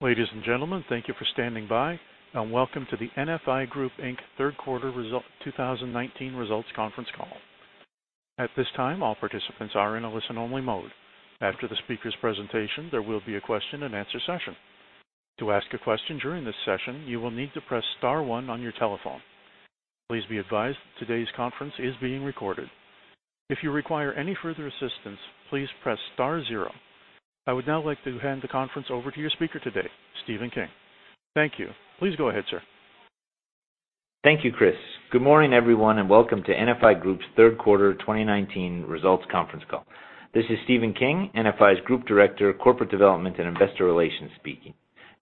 Ladies and gentlemen, thank you for standing by, and welcome to the NFI Group Inc. Third Quarter 2019 Results Conference Call. At this time, all participants are in a listen-only mode. After the speaker's presentation, there will be a question-and-answer session. To ask a question during this session, you will need to press star one on your telephone. Please be advised that today's conference is being recorded. If you require any further assistance, please press star zero. I would now like to hand the conference over to your speaker today, Stephen King. Thank you. Please go ahead, sir. Thank you, Chris. Good morning, everyone, and welcome to NFI Group's Third Quarter 2019 Results Conference Call. This is Stephen King, NFI's Group Director, Corporate Development and Investor Relations speaking.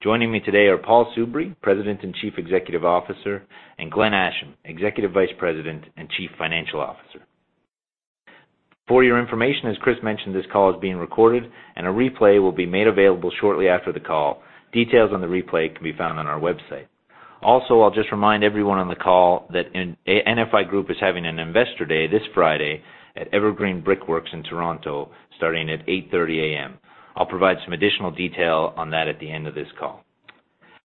Joining me today are Paul Soubry, President and Chief Executive Officer, and Glenn Asham, Executive Vice President and Chief Financial Officer. For your information, as Chris mentioned, this call is being recorded and a replay will be made available shortly after the call. Details on the replay can be found on our website. I'll just remind everyone on the call that NFI Group is having an Investor Day this Friday at Evergreen Brick Works in Toronto starting at 8:30 A.M. I'll provide some additional detail on that at the end of this call.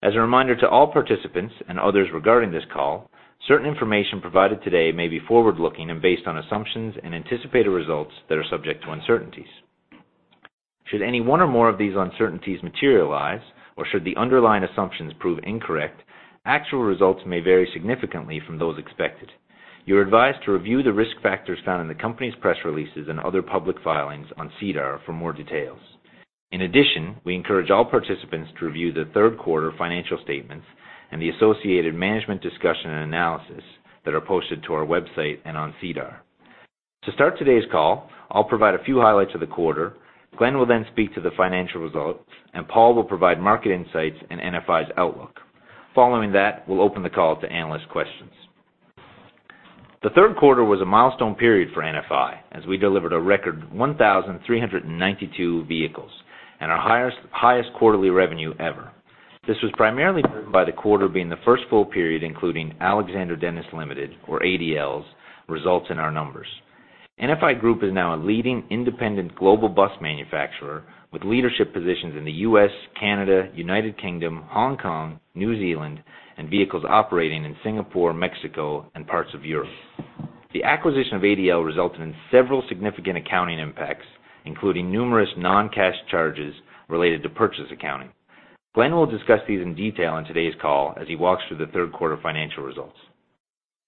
As a reminder to all participants and others regarding this call, certain information provided today may be forward-looking and based on assumptions and anticipated results that are subject to uncertainties. Should any one or more of these uncertainties materialize or should the underlying assumptions prove incorrect, actual results may vary significantly from those expected. You're advised to review the risk factors found in the company's press releases and other public filings on SEDAR for more details. In addition, we encourage all participants to review the third quarter financial statements and the associated management discussion and analysis that are posted to our website and on SEDAR. To start today's call, I'll provide a few highlights of the quarter, Glenn will then speak to the financial results, and Paul will provide market insights and NFI's outlook. Following that, we'll open the call to analyst questions. The third quarter was a milestone period for NFI as we delivered a record 1,392 vehicles and our highest quarterly revenue ever. This was primarily driven by the quarter being the first full period, including Alexander Dennis Limited, or ADL's, results in our numbers. NFI Group is now a leading independent global bus manufacturer with leadership positions in the U.S., Canada, United Kingdom, Hong Kong, New Zealand, and vehicles operating in Singapore, Mexico, and parts of Europe. The acquisition of ADL resulted in several significant accounting impacts, including numerous non-cash charges related to purchase accounting. Glenn will discuss these in detail on today's call as he walks through the third quarter financial results.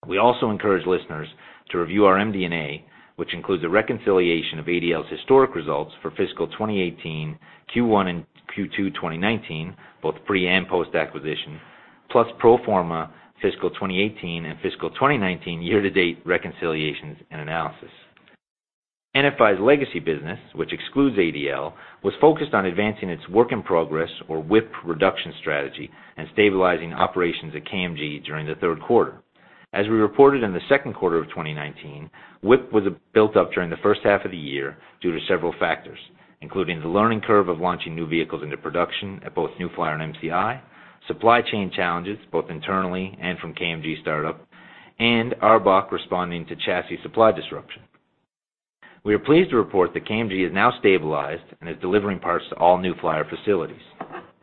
We also encourage listeners to review our MD&A, which includes a reconciliation of ADL's historic results for fiscal 2018 Q1 and Q2 2019, both pre and post-acquisition, plus pro forma fiscal 2018 and fiscal 2019 year-to-date reconciliations and analysis. NFI's legacy business, which excludes ADL, was focused on advancing its work in progress, or WIP reduction strategy and stabilizing operations at KMG during the third quarter. As we reported in the second quarter of 2019, WIP was built up during the first half of the year due to several factors, including the learning curve of launching new vehicles into production at both New Flyer and MCI, supply chain challenges, both internally and from KMG startup, and ARBOC responding to chassis supply disruption. We are pleased to report that KMG is now stabilized and is delivering parts to all New Flyer facilities.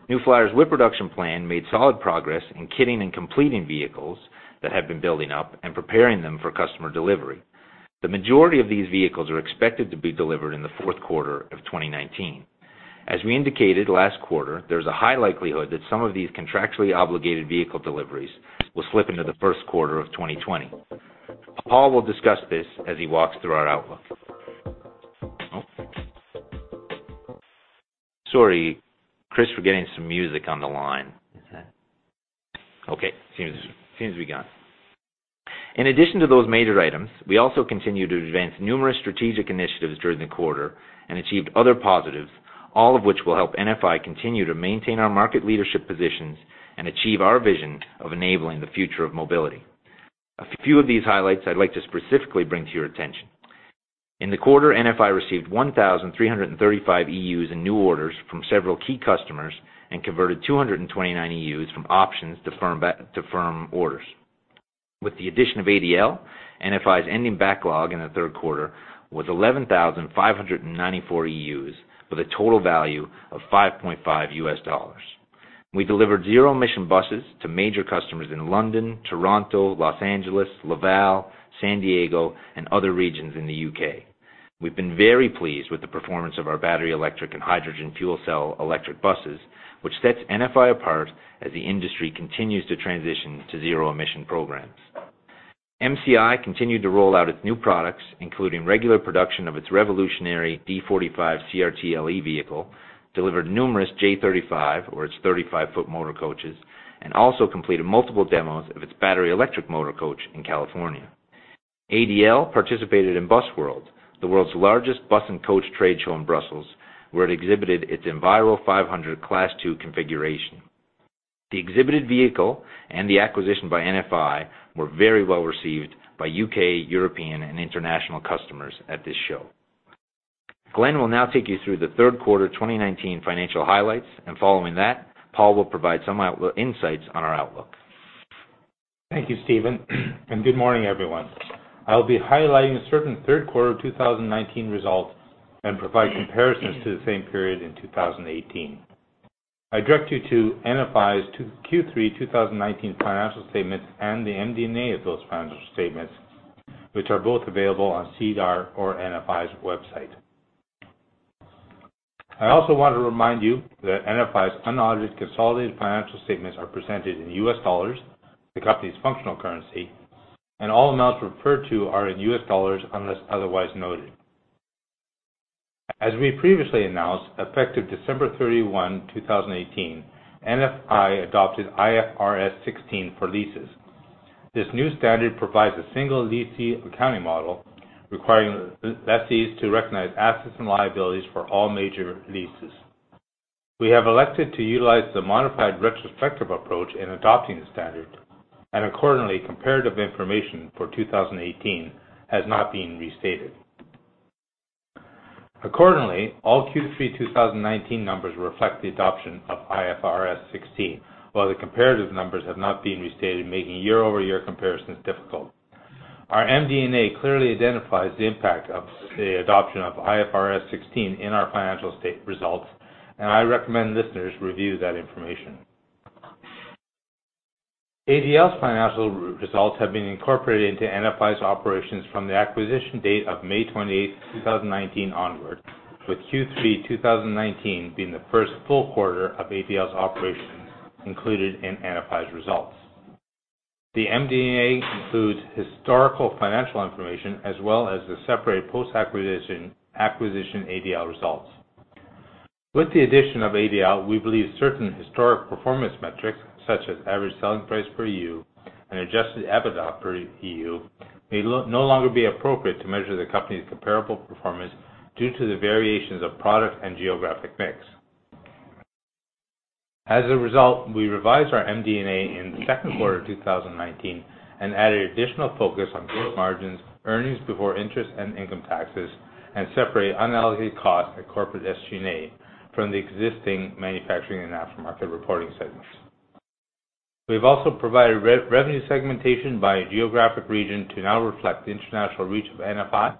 New Flyer's WIP reduction plan made solid progress in kitting and completing vehicles that have been building up and preparing them for customer delivery. The majority of these vehicles are expected to be delivered in the fourth quarter of 2019. As we indicated last quarter, there's a high likelihood that some of these contractually obligated vehicle deliveries will slip into the first quarter of 2020. Paul will discuss this as he walks through our outlook. Oh. Sorry, Chris, we're getting some music on the line. Okay, seems to be gone. In addition to those major items, we also continue to advance numerous strategic initiatives during the quarter and achieved other positives, all of which will help NFI continue to maintain our market leadership positions and achieve our vision of enabling the future of mobility. A few of these highlights I'd like to specifically bring to your attention. In the quarter, NFI received 1,335 EUs in new orders from several key customers and converted 229 EUs from options to firm orders. With the addition of ADL, NFI's ending backlog in the third quarter was 11,594 EUs with a total value of $5.5. We delivered zero-emission buses to major customers in London, Toronto, Los Angeles, Laval, San Diego, and other regions in the U.K. We've been very pleased with the performance of our battery electric and hydrogen fuel cell electric buses, which sets NFI apart as the industry continues to transition to zero-emission programs. MCI continued to roll out its new products, including regular production of its revolutionary D45 CRT LE vehicle, delivered numerous J35 or its 35-foot motor coaches, and also completed multiple demos of its battery electric motor coach in California. ADL participated in Busworld, the world's largest bus and coach trade show in Brussels, where it exhibited its Enviro500 Class 2 configuration. The exhibited vehicle and the acquisition by NFI were very well received by U.K., European, and international customers at this show. Glenn will now take you through the third quarter 2019 financial highlights, and following that, Paul will provide some insights on our outlook. Thank you, Stephen, and good morning, everyone. I'll be highlighting certain third quarter 2019 results and provide comparisons to the same period in 2018. I direct you to NFI's Q3 2019 financial statements and the MD&A of those financial statements, which are both available on SEDAR or NFI's website. I also want to remind you that NFI's unaudited consolidated financial statements are presented in US dollars, the company's functional currency, and all amounts referred to are in US dollars unless otherwise noted. As we previously announced, effective December 31, 2018, NFI adopted IFRS 16 for leases. This new standard provides a single lessee accounting model, requiring lessees to recognize assets and liabilities for all major leases. We have elected to utilize the modified retrospective approach in adopting the standard, accordingly, comparative information for 2018 has not been restated. Accordingly, all Q3 2019 numbers reflect the adoption of IFRS 16, while the comparative numbers have not been restated, making year-over-year comparisons difficult. Our MD&A clearly identifies the impact of the adoption of IFRS 16 in our financial results, and I recommend listeners review that information. ADL's financial results have been incorporated into NFI's operations from the acquisition date of May 28th, 2019 onwards, with Q3 2019 being the first full quarter of ADL's operations included in NFI's results. The MD&A includes historical financial information, as well as the separate post-acquisition ADL results. With the addition of ADL, we believe certain historic performance metrics, such as average selling price per IU and adjusted EBITDA per IU, may no longer be appropriate to measure the company's comparable performance due to the variations of product and geographic mix. As a result, we revised our MD&A in the second quarter of 2019 and added additional focus on gross margins, earnings before interest and income taxes, and separate unallocated costs at corporate SG&A from the existing manufacturing and aftermarket reporting segments. We've also provided revenue segmentation by geographic region to now reflect the international reach of NFI.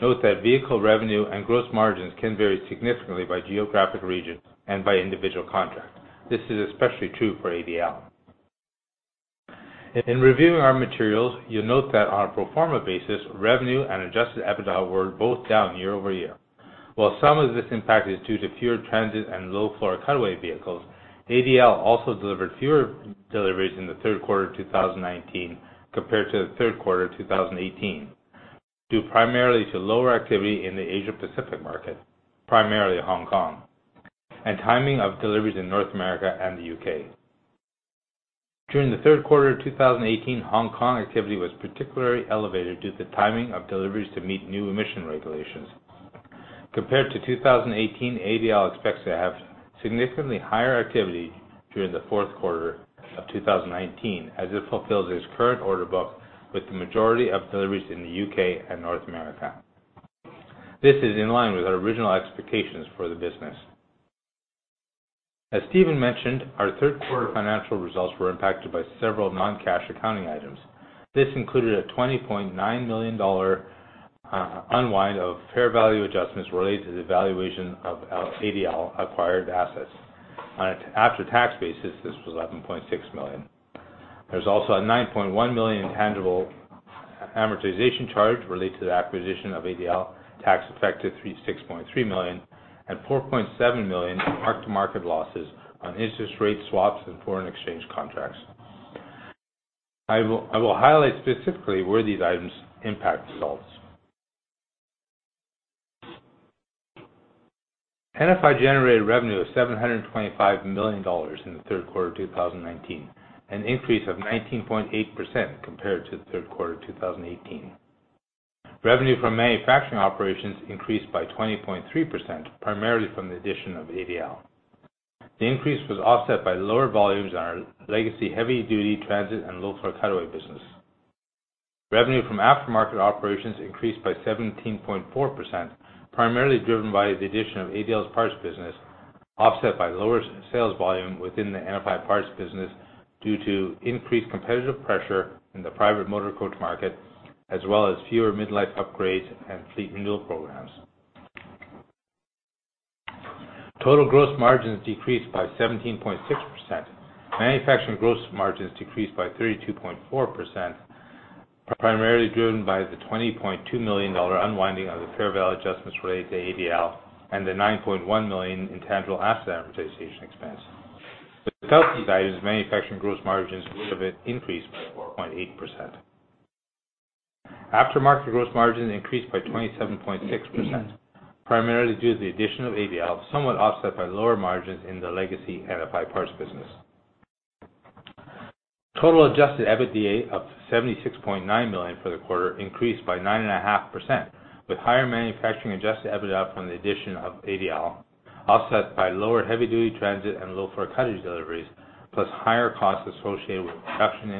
Note that vehicle revenue and gross margins can vary significantly by geographic region and by individual contract. This is especially true for ADL. In reviewing our materials, you'll note that on a pro forma basis, revenue and adjusted EBITDA were both down year-over-year. While some of this impact is due to pure transit and low-floor cutaway vehicles, ADL also delivered fewer deliveries in the third quarter of 2019 compared to the third quarter of 2018, due primarily to lower activity in the Asia-Pacific market, primarily Hong Kong, and timing of deliveries in North America and the U.K. During the third quarter of 2018, Hong Kong activity was particularly elevated due to the timing of deliveries to meet new emission regulations. Compared to 2018, ADL expects to have significantly higher activity during the fourth quarter of 2019 as it fulfills its current order book, with the majority of deliveries in the U.K. and North America. This is in line with our original expectations for the business. As Stephen mentioned, our third quarter financial results were impacted by several non-cash accounting items. This included a $20.9 million unwind of fair value adjustments related to the valuation of ADL-acquired assets. On an after-tax basis, this was $11.6 million. There's also a $9.1 million intangible amortization charge related to the acquisition of ADL, tax effect of $36.3 million and $4.7 million mark-to-market losses on interest rate swaps and foreign exchange contracts. I will highlight specifically where these items impact results. NFI generated revenue of $725 million in the third quarter of 2019, an increase of 19.8% compared to the third quarter of 2018. Revenue from manufacturing operations increased by 20.3%, primarily from the addition of ADL. The increase was offset by lower volumes on our legacy heavy-duty transit and low-floor cutaway business. Revenue from aftermarket operations increased by 17.4%, primarily driven by the addition of ADL's parts business, offset by lower sales volume within the NFI Parts business due to increased competitive pressure in the private motor coach market, as well as fewer midlife upgrades and fleet renewal programs. Total gross margins decreased by 17.6%. Manufacturing gross margins decreased by 32.4%, primarily driven by the $20.2 million unwinding of the fair value adjustments related to ADL and the $9.1 million intangible asset amortization expense. Without these items, manufacturing gross margins would have increased by 4.8%. After-market gross margin increased by 27.6%, primarily due to the addition of ADL, somewhat offset by lower margins in the legacy NFI Parts business. Total adjusted EBITDA of $76.9 million for the quarter increased by 9.5%, with higher manufacturing adjusted EBITDA from the addition of ADL offset by lower heavy-duty transit and low-floor cutaway deliveries, plus higher costs associated with production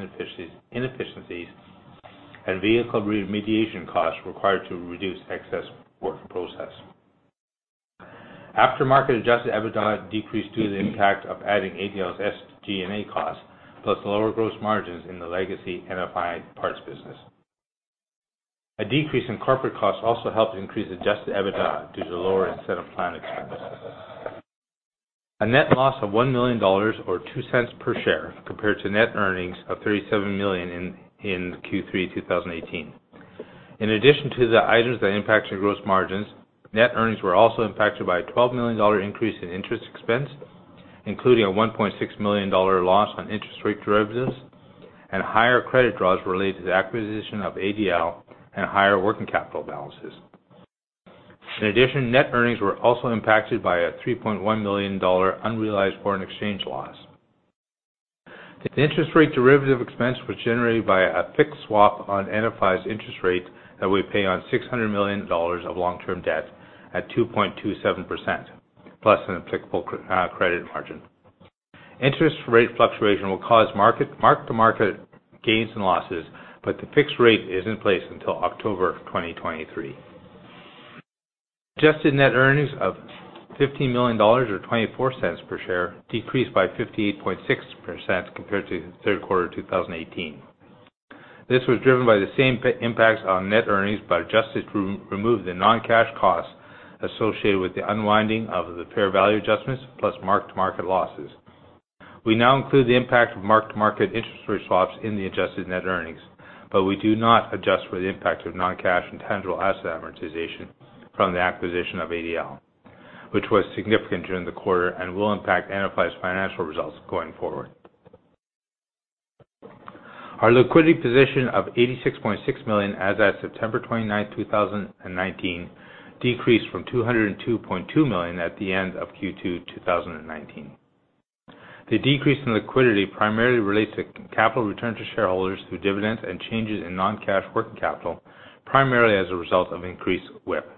inefficiencies and vehicle remediation costs required to reduce excess Work In Process. Aftermarket adjusted EBITDA decreased due to the impact of adding ADL's SG&A costs, plus lower gross margins in the legacy NFI Parts business. A decrease in corporate costs also helped increase adjusted EBITDA due to lower incentive plan expenses. A net loss of $1 million, or $0.02 per share, compared to net earnings of $37 million in Q3 2018. In addition to the items that impacted gross margins, net earnings were also impacted by a $12 million increase in interest expense, including a $1.6 million loss on interest rate derivatives and higher credit draws related to the acquisition of ADL and higher working capital balances. In addition, net earnings were also impacted by a $3.1 million unrealized foreign exchange loss. The interest rate derivative expense was generated by a fixed swap on NFI's interest rate that we pay on $600 million of long-term debt at 2.27%, plus an applicable credit margin. Interest rate fluctuation will cause market-to-market gains and losses, but the fixed rate is in place until October 2023. Adjusted net earnings of $15 million, or $0.24 per share, decreased by 58.6% compared to the third quarter 2018. This was driven by the same impacts on net earnings, but adjusted to remove the non-cash costs associated with the unwinding of the fair value adjustments plus mark-to-market losses. We now include the impact of mark-to-market interest rate swaps in the adjusted net earnings, but we do not adjust for the impact of non-cash intangible asset amortization from the acquisition of ADL, which was significant during the quarter and will impact NFI's financial results going forward. Our liquidity position of $86.6 million as at September 29, 2019, decreased from $202.2 million at the end of Q2 2019. The decrease in liquidity primarily relates to capital return to shareholders through dividends and changes in non-cash working capital, primarily as a result of increased WIP.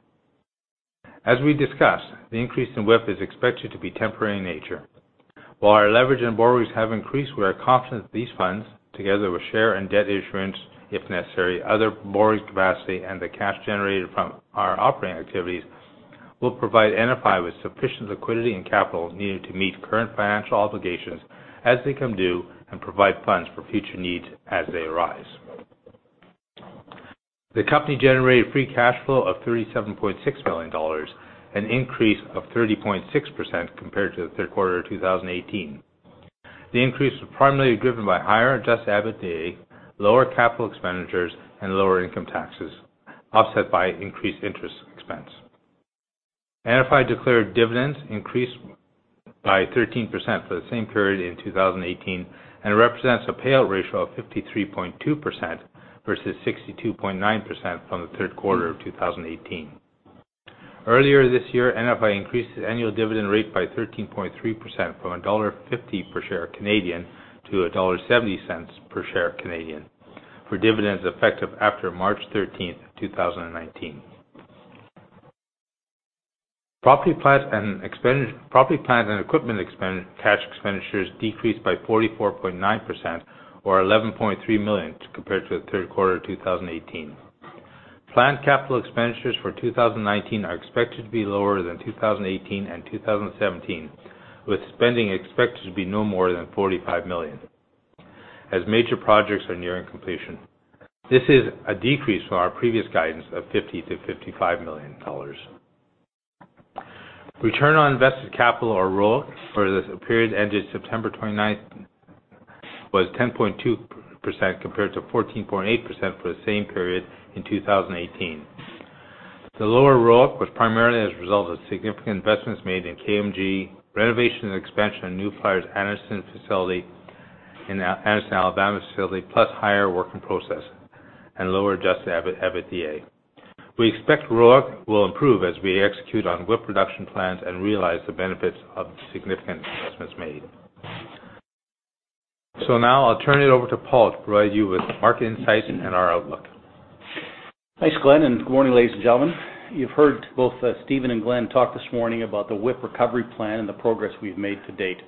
As we discussed, the increase in WIP is expected to be temporary in nature. While our leverage and borrowings have increased, we are confident that these funds, together with share and debt issuance, if necessary, other borrowing capacity, and the cash generated from our operating activities, will provide NFI with sufficient liquidity and capital needed to meet current financial obligations as they come due and provide funds for future needs as they arise. The company generated free cash flow of $37.6 million, an increase of 30.6% compared to the third quarter 2018. The increase was primarily driven by higher adjusted EBITDA, lower capital expenditures, and lower income taxes, offset by increased interest expense. NFI declared dividends increased by 13% for the same period in 2018, and represents a payout ratio of 53.2% versus 62.9% from the third quarter of 2018. Earlier this year, NFI increased its annual dividend rate by 13.3%, from dollar 1.50 per share Canadian to dollar 1.70 per share Canadian for dividends effective after March 13th, 2019. Property, plant, and equipment cash expenditures decreased by 44.9%, or 11.3 million compared to the third quarter 2018. Planned capital expenditures for 2019 are expected to be lower than 2018 and 2017, with spending expected to be no more than 45 million as major projects are nearing completion. This is a decrease from our previous guidance of 50 million-55 million dollars. Return on invested capital or ROIC for the period ended September 29th was 10.2% compared to 14.8% for the same period in 2018. The lower ROIC was primarily as a result of significant investments made in KMG, renovation and expansion of New Flyer's Anniston, Alabama facility, plus higher work in process and lower adjusted EBITDA. We expect ROIC will improve as we execute on WIP reduction plans and realize the benefits of the significant investments made. Now I'll turn it over to Paul to provide you with market insights and our outlook. Thanks, Glenn, good morning, ladies and gentlemen. You've heard both Stephen and Glenn talk this morning about the WIP recovery plan and the progress we've made to date.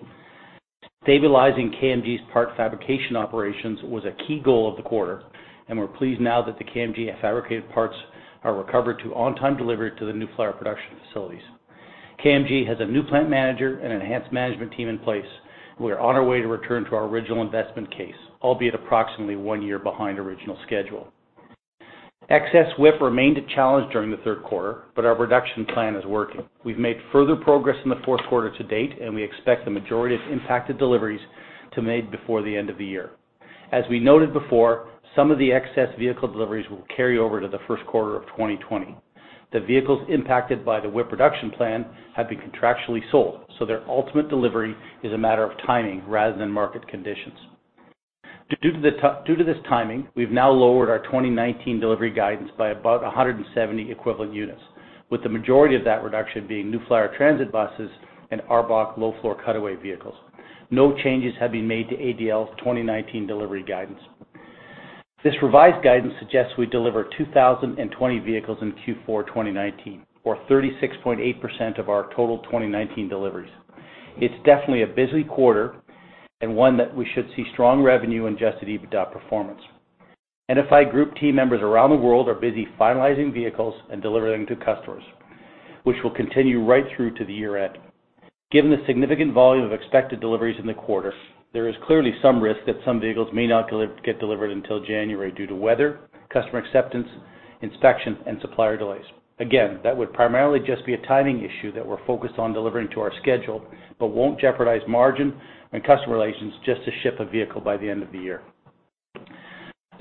Stabilizing KMG's part fabrication operations was a key goal of the quarter, and we're pleased now that the KMG fabricated parts are recovered to on-time delivery to the New Flyer production facilities. KMG has a new plant manager and enhanced management team in place. We are on our way to return to our original investment case, albeit approximately one year behind original schedule. Excess WIP remained a challenge during the third quarter, but our reduction plan is working. We've made further progress in the fourth quarter to date, and we expect the majority of impacted deliveries to be made before the end of the year. As we noted before, some of the excess vehicle deliveries will carry over to the first quarter of 2020. The vehicles impacted by the WIP reduction plan have been contractually sold, so their ultimate delivery is a matter of timing rather than market conditions. Due to this timing, we've now lowered our 2019 delivery guidance by about 170 equivalent units, with the majority of that reduction being New Flyer transit buses and ARBOC low-floor cutaway vehicles. No changes have been made to ADL's 2019 delivery guidance. This revised guidance suggests we deliver 2,020 vehicles in Q4 2019 or 36.8% of our total 2019 deliveries. It's definitely a busy quarter and one that we should see strong revenue and adjusted EBITDA performance. NFI Group team members around the world are busy finalizing vehicles and delivering to customers, which will continue right through to the year-end. Given the significant volume of expected deliveries in the quarter, there is clearly some risk that some vehicles may not get delivered until January due to weather, customer acceptance, inspection, and supplier delays. That would primarily just be a timing issue that we're focused on delivering to our schedule, but won't jeopardize margin and customer relations just to ship a vehicle by the end of the year.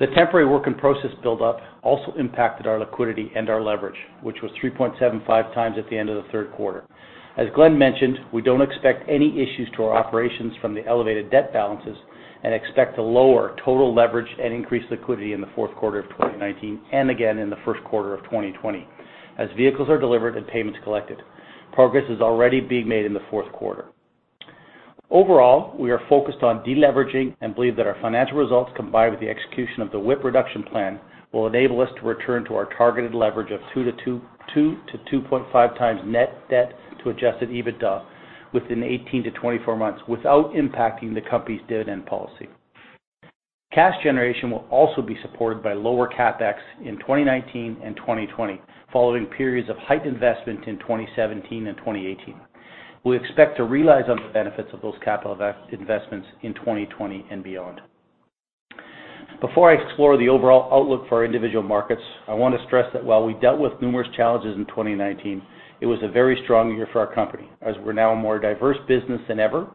The temporary work in process buildup also impacted our liquidity and our leverage, which was 3.75 times at the end of the third quarter. As Glenn mentioned, we don't expect any issues to our operations from the elevated debt balances and expect to lower total leverage and increase liquidity in the fourth quarter of 2019 and again in the first quarter of 2020, as vehicles are delivered and payments collected. Progress is already being made in the fourth quarter. Overall, we are focused on de-leveraging and believe that our financial results, combined with the execution of the WIP reduction plan, will enable us to return to our targeted leverage of 2 times-2.5 times net debt to adjusted EBITDA within 18-24 months without impacting the company's dividend policy. Cash generation will also be supported by lower CapEx in 2019 and 2020, following periods of high investment in 2017 and 2018. We expect to realize on the benefits of those capital investments in 2020 and beyond. Before I explore the overall outlook for our individual markets, I want to stress that while we dealt with numerous challenges in 2019, it was a very strong year for our company, as we're now a more diverse business than ever.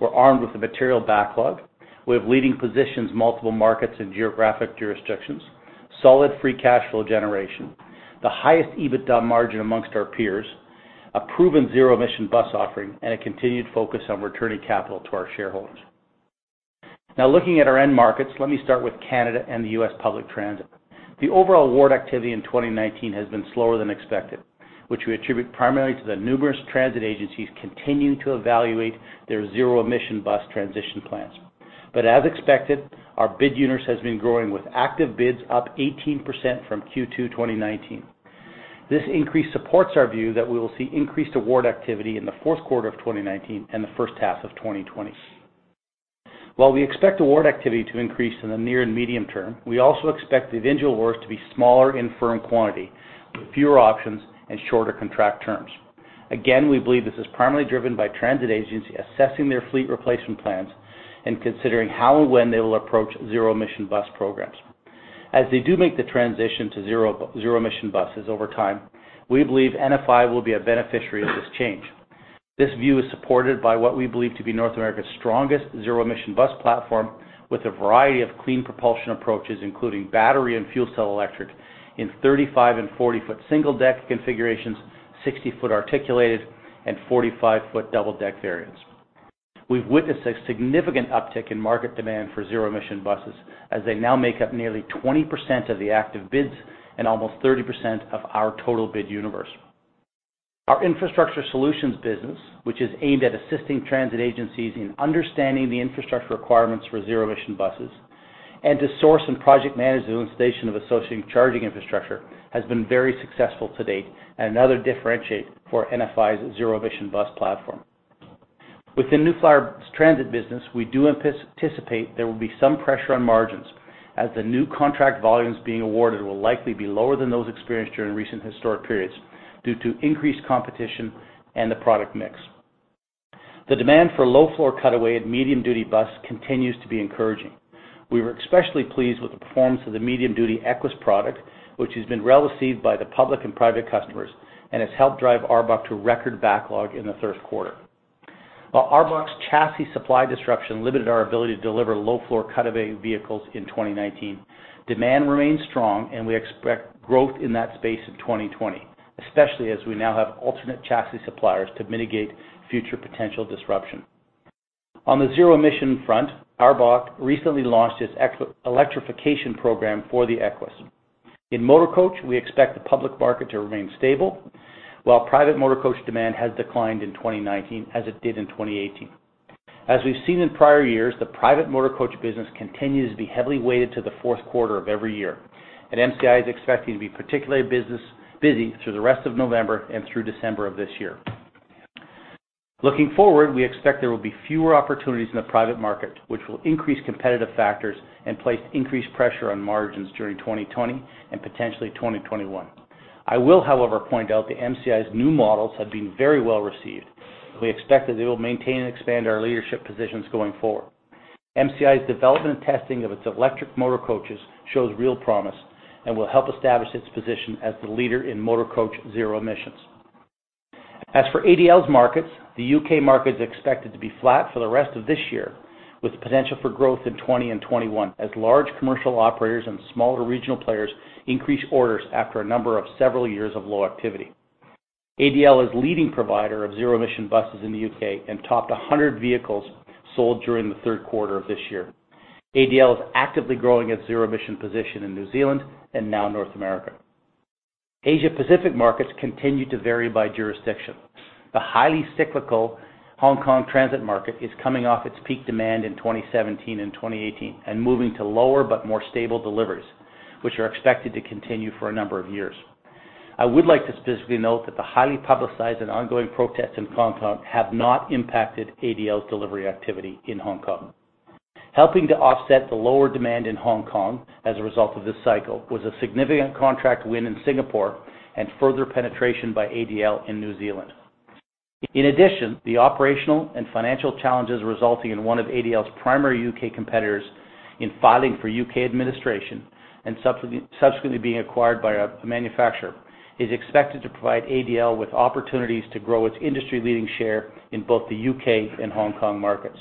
We're armed with a material backlog. We have leading positions, multiple markets and geographic jurisdictions, solid free cash flow generation, the highest EBITDA margin amongst our peers, a proven zero-emission bus offering, and a continued focus on returning capital to our shareholders. Looking at our end markets, let me start with Canada and the U.S. public transit. The overall award activity in 2019 has been slower than expected, which we attribute primarily to the numerous transit agencies continuing to evaluate their zero-emission bus transition plans. As expected, our bid universe has been growing with active bids up 18% from Q2 2019. This increase supports our view that we will see increased award activity in the fourth quarter of 2019 and the first half of 2020. While we expect award activity to increase in the near and medium term, we also expect the individual awards to be smaller in firm quantity with fewer options and shorter contract terms. Again, we believe this is primarily driven by transit agency assessing their fleet replacement plans and considering how and when they will approach zero-emission bus programs. As they do make the transition to zero-emission buses over time, we believe NFI will be a beneficiary of this change. This view is supported by what we believe to be North America's strongest zero-emission bus platform with a variety of clean propulsion approaches, including battery and fuel cell electric in 35 and 40-foot single-deck configurations, 60-foot articulated, and 45-foot double-deck variants. We've witnessed a significant uptick in market demand for zero-emission buses as they now make up nearly 20% of the active bids and almost 30% of our total bid universe. Our infrastructure solutions business, which is aimed at assisting transit agencies in understanding the infrastructure requirements for zero-emission buses and to source and project manage the installation of associated charging infrastructure, has been very successful to date and another differentiator for NFI Group's zero-emission bus platform. Within New Flyer transit business, we do anticipate there will be some pressure on margins as the new contract volumes being awarded will likely be lower than those experienced during recent historic periods due to increased competition and the product mix. The demand for low-floor cutaway and medium-duty bus continues to be encouraging. We were especially pleased with the performance of the medium-duty Equess product, which has been well received by the public and private customers and has helped drive ARBOC to record backlog in the third quarter. While ARBOC's chassis supply disruption limited our ability to deliver low-floor cutaway vehicles in 2019, demand remains strong, and we expect growth in that space in 2020, especially as we now have alternate chassis suppliers to mitigate future potential disruption. On the zero-emission front, ARBOC recently launched its electrification program for the Equess. In motor coach, we expect the public market to remain stable, while private motor coach demand has declined in 2019 as it did in 2018. As we've seen in prior years, the private motor coach business continues to be heavily weighted to the fourth quarter of every year, and MCI is expecting to be particularly busy through the rest of November and through December of this year. Looking forward, we expect there will be fewer opportunities in the private market, which will increase competitive factors and place increased pressure on margins during 2020 and potentially 2021. I will, however, point out that MCI's new models have been very well-received. We expect that they will maintain and expand our leadership positions going forward. MCI's development and testing of its electric motor coaches shows real promise and will help establish its position as the leader in motor coach zero emissions. As for ADL's markets, the U.K. market is expected to be flat for the rest of this year, with potential for growth in 2020 and 2021 as large commercial operators and smaller regional players increase orders after a number of several years of low activity. ADL is leading provider of zero-emission buses in the U.K. and topped 100 vehicles sold during the third quarter of this year. ADL is actively growing its zero-emission position in New Zealand and now North America. Asia Pacific markets continue to vary by jurisdiction. The highly cyclical Hong Kong transit market is coming off its peak demand in 2017 and 2018 and moving to lower but more stable deliveries, which are expected to continue for a number of years. I would like to specifically note that the highly publicized and ongoing protests in Hong Kong have not impacted ADL's delivery activity in Hong Kong. Helping to offset the lower demand in Hong Kong as a result of this cycle was a significant contract win in Singapore and further penetration by ADL in New Zealand. The operational and financial challenges resulting in one of ADL's primary U.K. competitors in filing for U.K. administration and subsequently being acquired by a manufacturer, is expected to provide ADL with opportunities to grow its industry-leading share in both the U.K. and Hong Kong markets.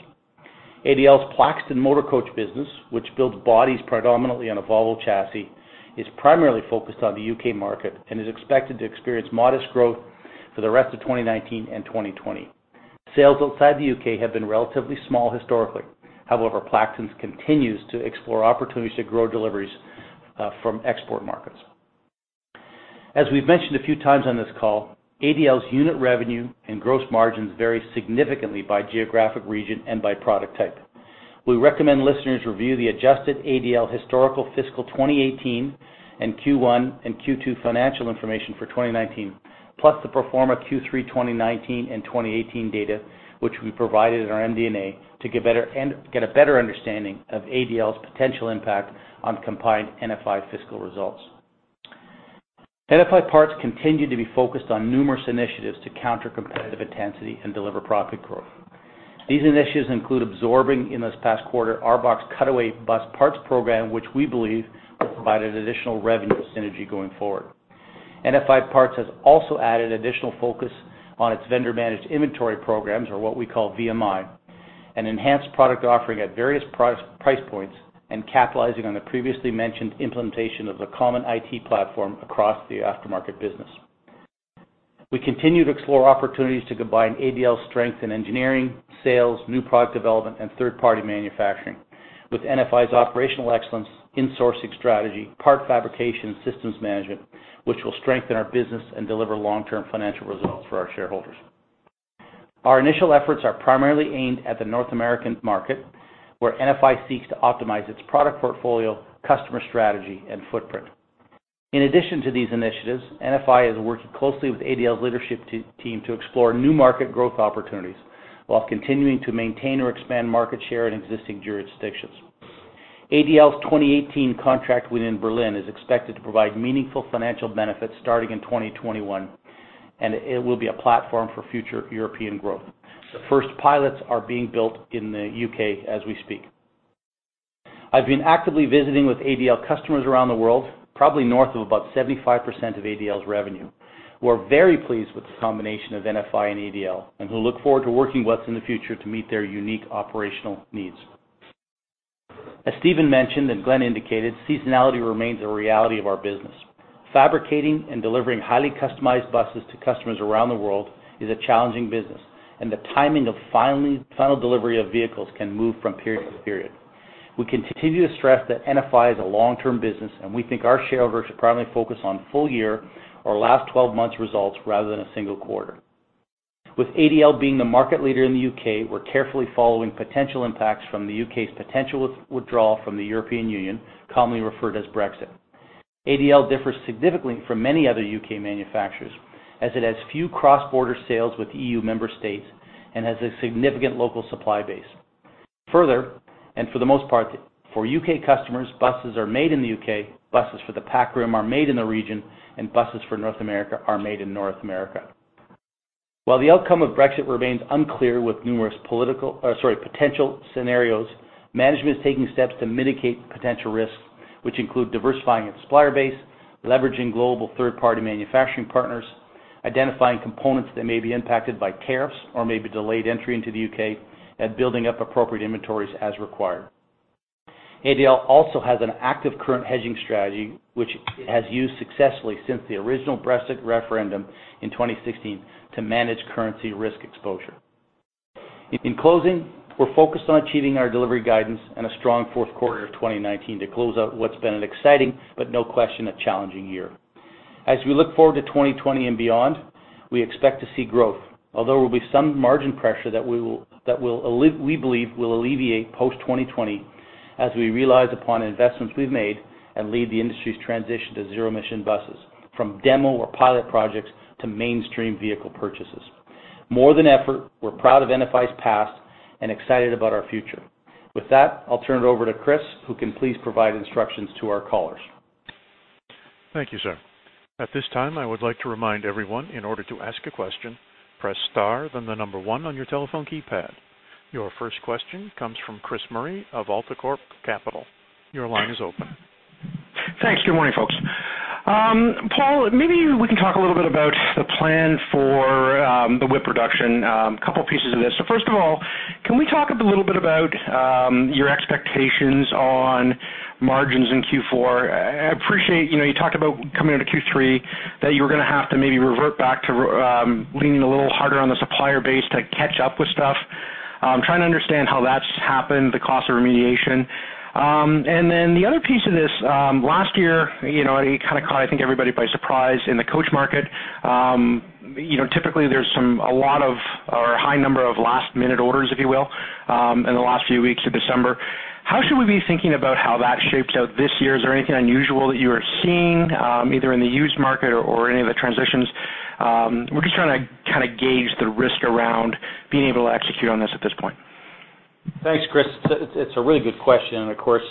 ADL's Plaxton motor coach business, which builds bodies predominantly on a Volvo chassis, is primarily focused on the U.K. market and is expected to experience modest growth for the rest of 2019 and 2020. Sales outside the U.K. have been relatively small historically. Plaxton continues to explore opportunities to grow deliveries from export markets. As we've mentioned a few times on this call, ADL's unit revenue and gross margins vary significantly by geographic region and by product type. We recommend listeners review the adjusted ADL historical fiscal 2018 and Q1 and Q2 financial information for 2019, plus the pro forma Q3 2019 and 2018 data, which we provided in our MD&A to get a better understanding of ADL's potential impact on combined NFI fiscal results. NFI Parts continued to be focused on numerous initiatives to counter competitive intensity and deliver profit growth. These initiatives include absorbing, in this past quarter, ARBOC Cutaway bus parts program, which we believe will provide an additional revenue synergy going forward. NFI Parts has also added additional focus on its vendor-managed inventory programs or what we call VMI, an enhanced product offering at various price points and capitalizing on the previously mentioned implementation of the common IT platform across the aftermarket business. We continue to explore opportunities to combine ADL's strength in engineering, sales, new product development, and third-party manufacturing with NFI's operational excellence in sourcing strategy, part fabrication, systems management, which will strengthen our business and deliver long-term financial results for our shareholders. Our initial efforts are primarily aimed at the North American market, where NFI seeks to optimize its product portfolio, customer strategy, and footprint. In addition to these initiatives, NFI is working closely with ADL's leadership team to explore new market growth opportunities while continuing to maintain or expand market share in existing jurisdictions. ADL's 2018 contract within Berlin is expected to provide meaningful financial benefits starting in 2021, and it will be a platform for future European growth. The first pilots are being built in the U.K. as we speak. I've been actively visiting with ADL customers around the world, probably north of about 75% of ADL's revenue, who are very pleased with the combination of NFI and ADL and who look forward to working with us in the future to meet their unique operational needs. As Stephen mentioned and Glenn indicated, seasonality remains a reality of our business. Fabricating and delivering highly customized buses to customers around the world is a challenging business, and the timing of final delivery of vehicles can move from period to period. We continue to stress that NFI is a long-term business, and we think our shareholders should probably focus on full year or last 12 months results rather than a single quarter. With ADL being the market leader in the U.K., we're carefully following potential impacts from the U.K.'s potential withdrawal from the European Union, commonly referred to as Brexit. ADL differs significantly from many other U.K. manufacturers as it has few cross-border sales with EU member states and has a significant local supply base. Further, and for the most part, for U.K. customers, buses are made in the U.K., buses for the Pac Rim are made in the region, and buses for North America are made in North America. While the outcome of Brexit remains unclear with numerous potential scenarios, management is taking steps to mitigate potential risks, which include diversifying its supplier base, leveraging global third-party manufacturing partners, identifying components that may be impacted by tariffs or may be delayed entry into the UK, and building up appropriate inventories as required. ADL also has an active current hedging strategy which it has used successfully since the original Brexit referendum in 2016 to manage currency risk exposure. In closing, we're focused on achieving our delivery guidance and a strong fourth quarter of 2019 to close out what's been an exciting but no question a challenging year. As we look forward to 2020 and beyond, we expect to see growth. Although there will be some margin pressure that we believe will alleviate post-2020 as we realize upon investments we've made and lead the industry's transition to zero-emission buses from demo or pilot projects to mainstream vehicle purchases. More than ever, we're proud of NFI's past and excited about our future. With that, I'll turn it over to Chris, who can please provide instructions to our callers. Thank you, sir. At this time, I would like to remind everyone in order to ask a question, press star then the number 1 on your telephone keypad. Your first question comes from Chris Murray of AltaCorp Capital. Your line is open. Thanks. Good morning, folks. Paul, maybe we can talk a little bit about the plan for the WIP reduction. A couple of pieces of this. First of all, can we talk a little bit about your expectations on margins in Q4? I appreciate you talked about coming out of Q3 that you were going to have to maybe revert back to leaning a little harder on the supplier base to catch up with stuff. I'm trying to understand how that's happened, the cost of remediation. Then the other piece of this, last year, it kind of caught, I think everybody by surprise in the coach market. Typically there's a lot of or a high number of last-minute orders, if you will, in the last few weeks of December. How should we be thinking about how that shapes out this year? Is there anything unusual that you are seeing, either in the used market or any of the transitions? We're just trying to gauge the risk around being able to execute on this at this point. Thanks, Chris. It is a really good question, of course,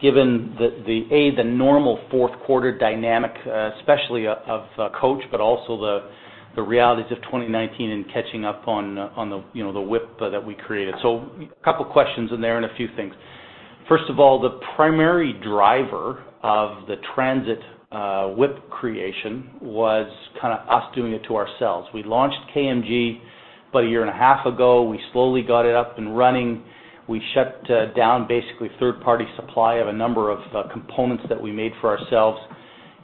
given the, A, the normal fourth quarter dynamic, especially of Coach, but also the realities of 2019 and catching up on the WIP that we created. A couple of questions in there and a few things. First of all, the primary driver of the transit WIP creation was us doing it to ourselves. We launched KMG about a year and a half ago. We slowly got it up and running. We shut down basically third-party supply of a number of components that we made for ourselves,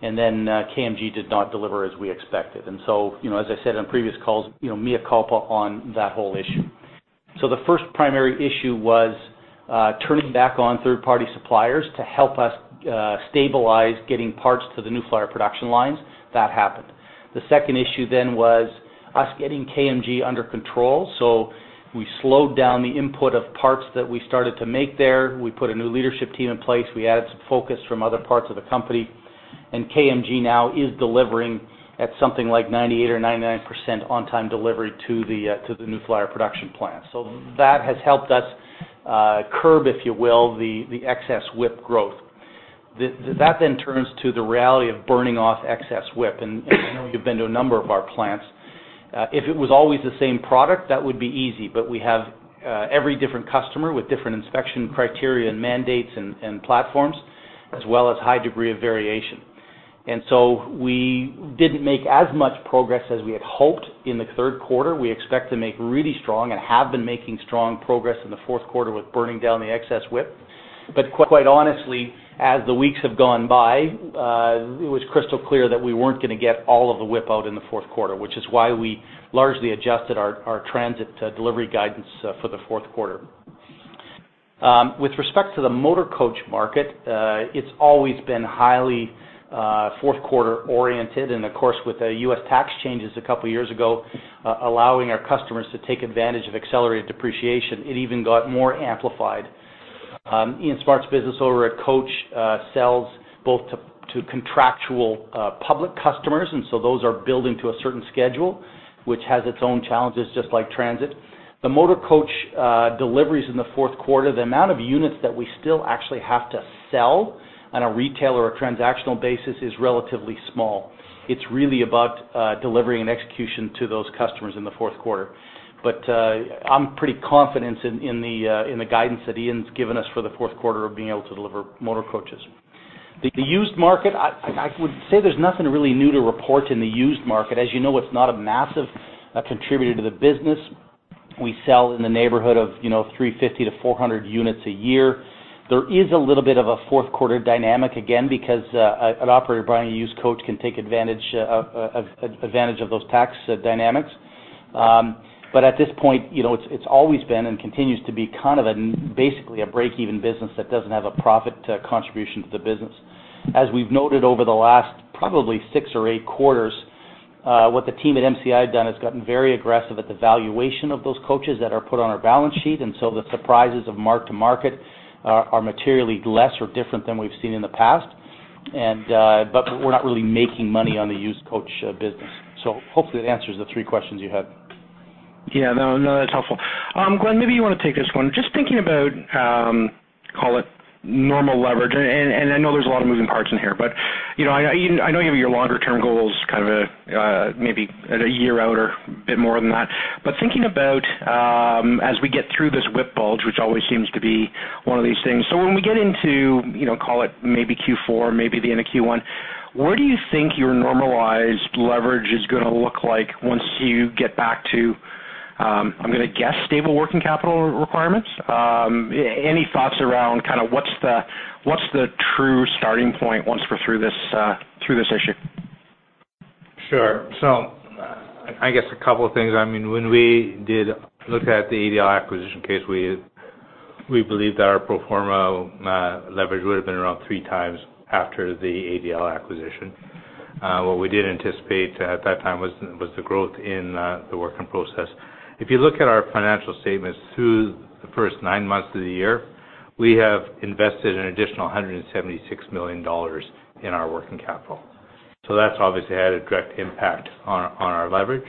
KMG did not deliver as we expected. As I said on previous calls, mea culpa on that whole issue. The first primary issue was turning back on third-party suppliers to help us stabilize getting parts to the New Flyer production lines. That happened. The second issue then was us getting KMG under control. We slowed down the input of parts that we started to make there. We put a new leadership team in place. We added some focus from other parts of the company, and KMG now is delivering at something like 98% or 99% on-time delivery to the New Flyer production plant. That has helped us curb, if you will, the excess WIP growth. That then turns to the reality of burning off excess WIP, and I know you've been to a number of our plants. If it was always the same product, that would be easy, but we have every different customer with different inspection criteria and mandates and platforms, as well as a high degree of variation. We didn't make as much progress as we had hoped in the third quarter. We expect to make really strong and have been making strong progress in the fourth quarter with burning down the excess WIP. Quite honestly, as the weeks have gone by, it was crystal clear that we weren't going to get all of the WIP out in the fourth quarter, which is why we largely adjusted our transit delivery guidance for the fourth quarter. With respect to the motor coach market, it's always been highly fourth quarter oriented, and of course, with the U.S. tax changes a couple of years ago, allowing our customers to take advantage of accelerated depreciation, it even got more amplified. Ian Smart's business over at Coach sells both to contractual public customers, those are building to a certain schedule, which has its own challenges, just like transit. The motor coach deliveries in the fourth quarter, the amount of units that we still actually have to sell on a retail or a transactional basis is relatively small. It's really about delivering and execution to those customers in the fourth quarter. I'm pretty confident in the guidance that Ian's given us for the fourth quarter of being able to deliver motor coaches. The used market, I would say there's nothing really new to report in the used market. As you know, it's not a massive contributor to the business. We sell in the neighborhood of 350-400 units a year. There is a little bit of a fourth quarter dynamic, again, because an operator buying a used coach can take advantage of those tax dynamics. At this point, it's always been and continues to be basically a break-even business that doesn't have a profit contribution to the business. As we've noted over the last probably six or eight quarters, what the team at MCI done has gotten very aggressive at the valuation of those coaches that are put on our balance sheet, the surprises of mark-to-market are materially less or different than we've seen in the past. We're not really making money on the used coach business. Hopefully that answers the three questions you had. Yeah. No, that's helpful. Glenn, maybe you want to take this one. Just thinking about, call it normal leverage. I know there's a lot of moving parts in here. I know you have your longer-term goals maybe at a year out or a bit more than that. Thinking about as we get through this WIP bulge, which always seems to be one of these things. When we get into, call it maybe Q4, maybe the end of Q1, where do you think your normalized leverage is going to look like once you get back to, I'm going to guess, stable working capital requirements? Any thoughts around what's the true starting point once we're through this issue? Sure. I guess a couple of things. When we did look at the ADL acquisition case, we believed that our pro forma leverage would have been around three times after the ADL acquisition. What we didn't anticipate at that time was the growth in the work in process. If you look at our financial statements through the first nine months of the year, we have invested an additional 176 million dollars in our working capital. That's obviously had a direct impact on our leverage.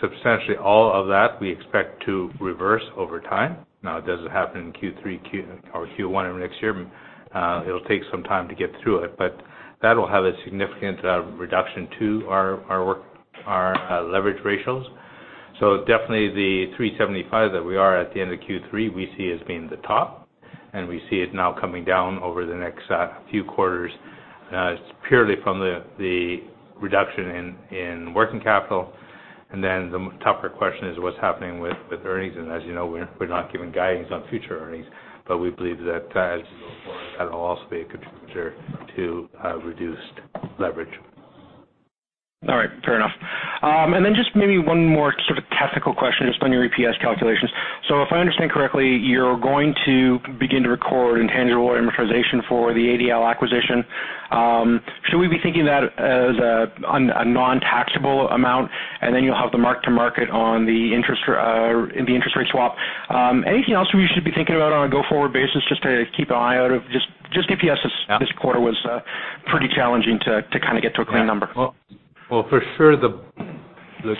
Substantially all of that we expect to reverse over time. Now, it doesn't happen in Q3 or Q1 of next year. It'll take some time to get through it, but that will have a significant reduction to our leverage ratios. Definitely the 375 that we are at the end of Q3, we see as being the top, and we see it now coming down over the next few quarters. It's purely from the reduction in working capital. Then the tougher question is what's happening with earnings, and as you know, we're not giving guidance on future earnings, but we believe that as we go forward, that'll also be a contributor to reduced leverage. All right. Fair enough. Just maybe one more sort of technical question, just on your EPS calculations. If I understand correctly, you're going to begin to record intangible amortization for the ADL acquisition. Should we be thinking that as a non-taxable amount and then you'll have the mark-to-market in the interest rate swap? Anything else we should be thinking about on a go-forward basis just to keep an eye out of, just EPS this quarter was pretty challenging to get to a clean number? For sure, the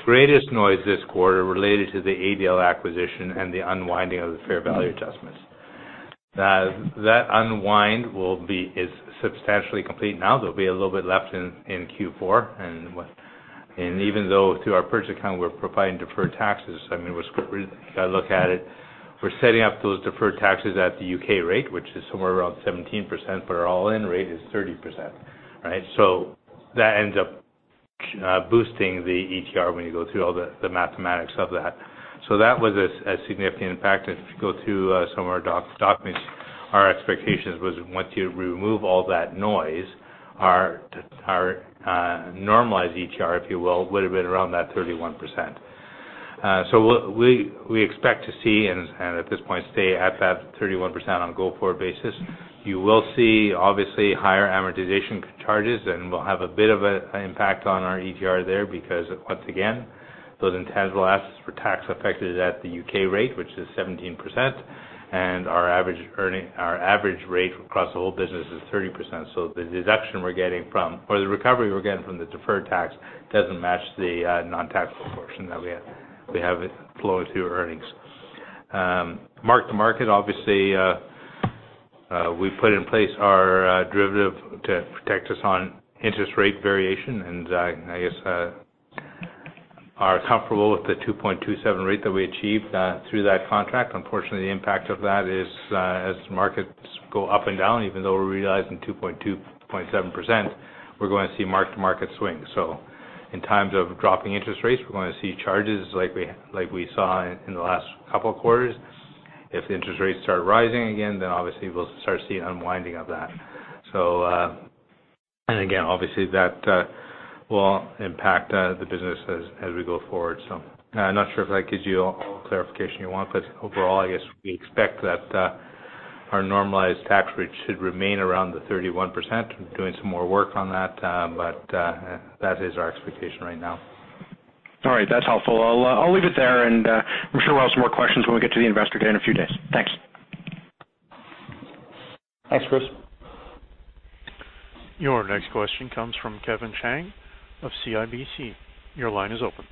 greatest noise this quarter related to the ADL acquisition and the unwinding of the fair value adjustments. That unwind is substantially complete now, there'll be a little bit left in Q4, and even though through our purchase account, we're providing deferred taxes, I mean, we've got to look at it. We're setting up those deferred taxes at the U.K. rate, which is somewhere around 17%, but our all-in rate is 30%. That ends up boosting the ETR when you go through all the mathematics of that. That was a significant impact, and if you go through some of our documents, our expectations was once you remove all that noise, our normalized ETR, if you will, would have been around that 31%. We expect to see, and at this point, stay at that 31% on a go-forward basis. You will see, obviously, higher amortization charges, and we'll have a bit of an impact on our ETR there because, once again, those intangible assets for tax affected at the U.K. rate, which is 17%, and our average rate across the whole business is 30%. The deduction we're getting from or the recovery we're getting from the deferred tax doesn't match the non-taxable portion that we have it flowing through earnings. Mark-to-market, obviously, we've put in place our derivative to protect us on interest rate variation, and I guess are comfortable with the 2.27 rate that we achieved through that contract. Unfortunately, the impact of that is as markets go up and down, even though we're realizing 2.7%, we're going to see mark-to-market swings. In times of dropping interest rates, we're going to see charges like we saw in the last couple of quarters. If interest rates start rising again, then obviously we'll start seeing unwinding of that. Again, obviously that will impact the business as we go forward. I'm not sure if that gives you all the clarification you want, but overall, I guess we expect that our normalized tax rate should remain around the 31%. We're doing some more work on that, but that is our expectation right now. All right. That's helpful. I'll leave it there, and I'm sure we'll have some more questions when we get to the investor day in a few days. Thanks. Thanks, Chris. Your next question comes from Kevin Chiang of CIBC. Your line is open.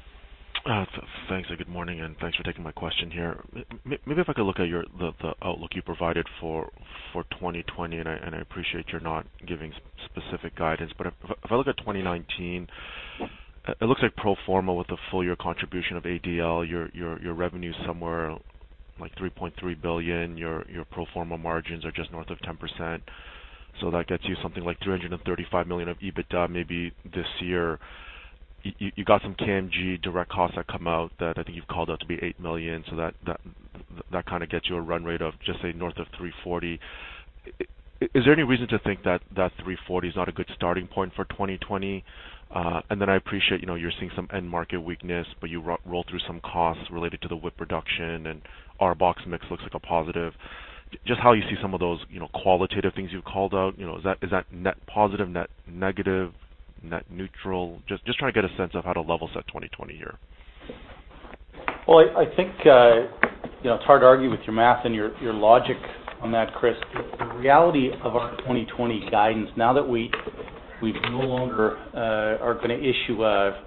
Thanks, and good morning, and thanks for taking my question here. Maybe if I could look at the outlook you provided for 2020. I appreciate you are not giving specific guidance. If I look at 2019, it looks like pro forma with the full year contribution of ADL, your revenue somewhere like $3.3 billion. Your pro forma margins are just north of 10%. That gets you something like $335 million of EBITDA maybe this year. You got some KMG direct costs that come out that I think you've called out to be $8 million. That kind of gets you a run rate of just say north of $340. Is there any reason to think that that $340 is not a good starting point for 2020? I appreciate you're seeing some end market weakness, but you rolled through some costs related to the WIP reduction and ARBOC's mix looks like a positive. Just how you see some of those qualitative things you've called out, is that net positive, net negative, net neutral, just trying to get a sense of how to level set 2020 here? I think it's hard to argue with your math and your logic on that, Chris. The reality of our 2020 guidance, now that we no longer are going to issue a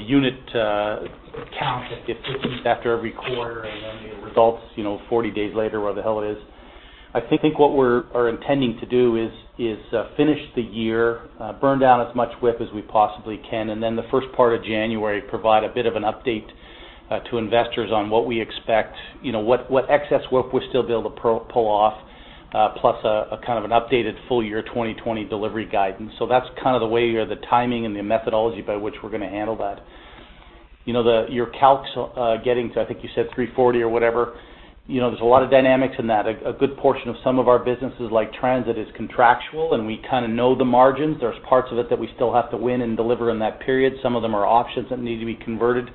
unit count that gets issued after every quarter and then the results 40 days later, whatever the hell it is. I think what we're intending to do is finish the year, burn down as much WIP as we possibly can, and then the first part of January provide a bit of an update to investors on what we expect, what excess WIP we'll still be able to pull off, plus a kind of an updated full year 2020 delivery guidance. That's kind of the way or the timing and the methodology by which we're going to handle that. Your calcs getting to, I think you said $340 or whatever, there's a lot of dynamics in that. A good portion of some of our businesses like transit is contractual, and we kind of know the margins. There's parts of it that we still have to win and deliver in that period. Some of them are options that need to be converted.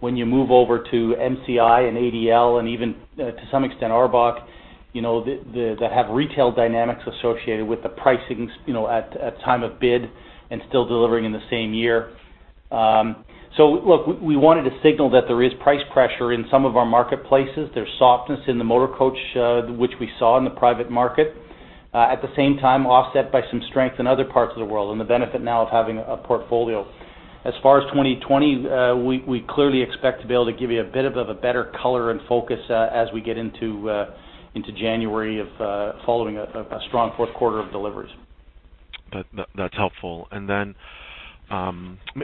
When you move over to MCI and ADL and even to some extent ARBOC, that have retail dynamics associated with the pricing at time of bid and still delivering in the same year. Look, we wanted to signal that there is price pressure in some of our marketplaces. There's softness in the motor coach, which we saw in the private market. At the same time, offset by some strength in other parts of the world and the benefit now of having a portfolio. As far as 2020, we clearly expect to be able to give you a bit of a better color and focus as we get into January of following a strong fourth quarter of deliveries. That's helpful. Then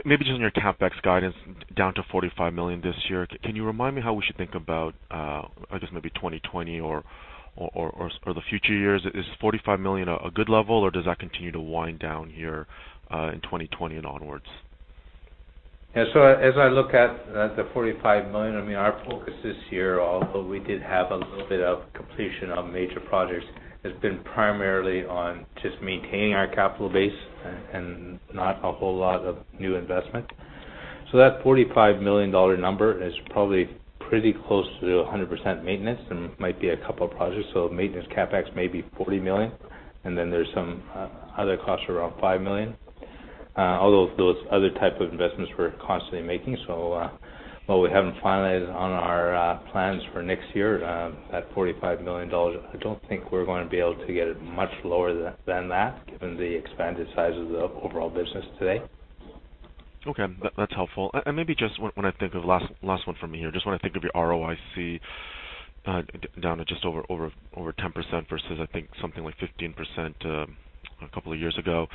maybe just on your CapEx guidance down to 45 million this year, can you remind me how we should think about, I guess maybe 2020 or the future years? Is 45 million a good level or does that continue to wind down here in 2020 and onwards? Yeah, as I look at the 45 million, I mean, our focus this year, although we did have a little bit of completion of major projects, has been primarily on just maintaining our capital base and not a whole lot of new investment. That $45 million number is probably pretty close to 100% maintenance and might be a couple of projects. Maintenance CapEx may be $40 million, and then there's some other costs around $5 million. Those other type of investments we're constantly making, so while we haven't finalized on our plans for next year, that $45 million, I don't think we're going to be able to get it much lower than that given the expanded size of the overall business today. Okay. That's helpful. Maybe just when I think of last one for me here, just want to think of your ROIC, down to just over 10% versus I think something like 15% a couple of years ago.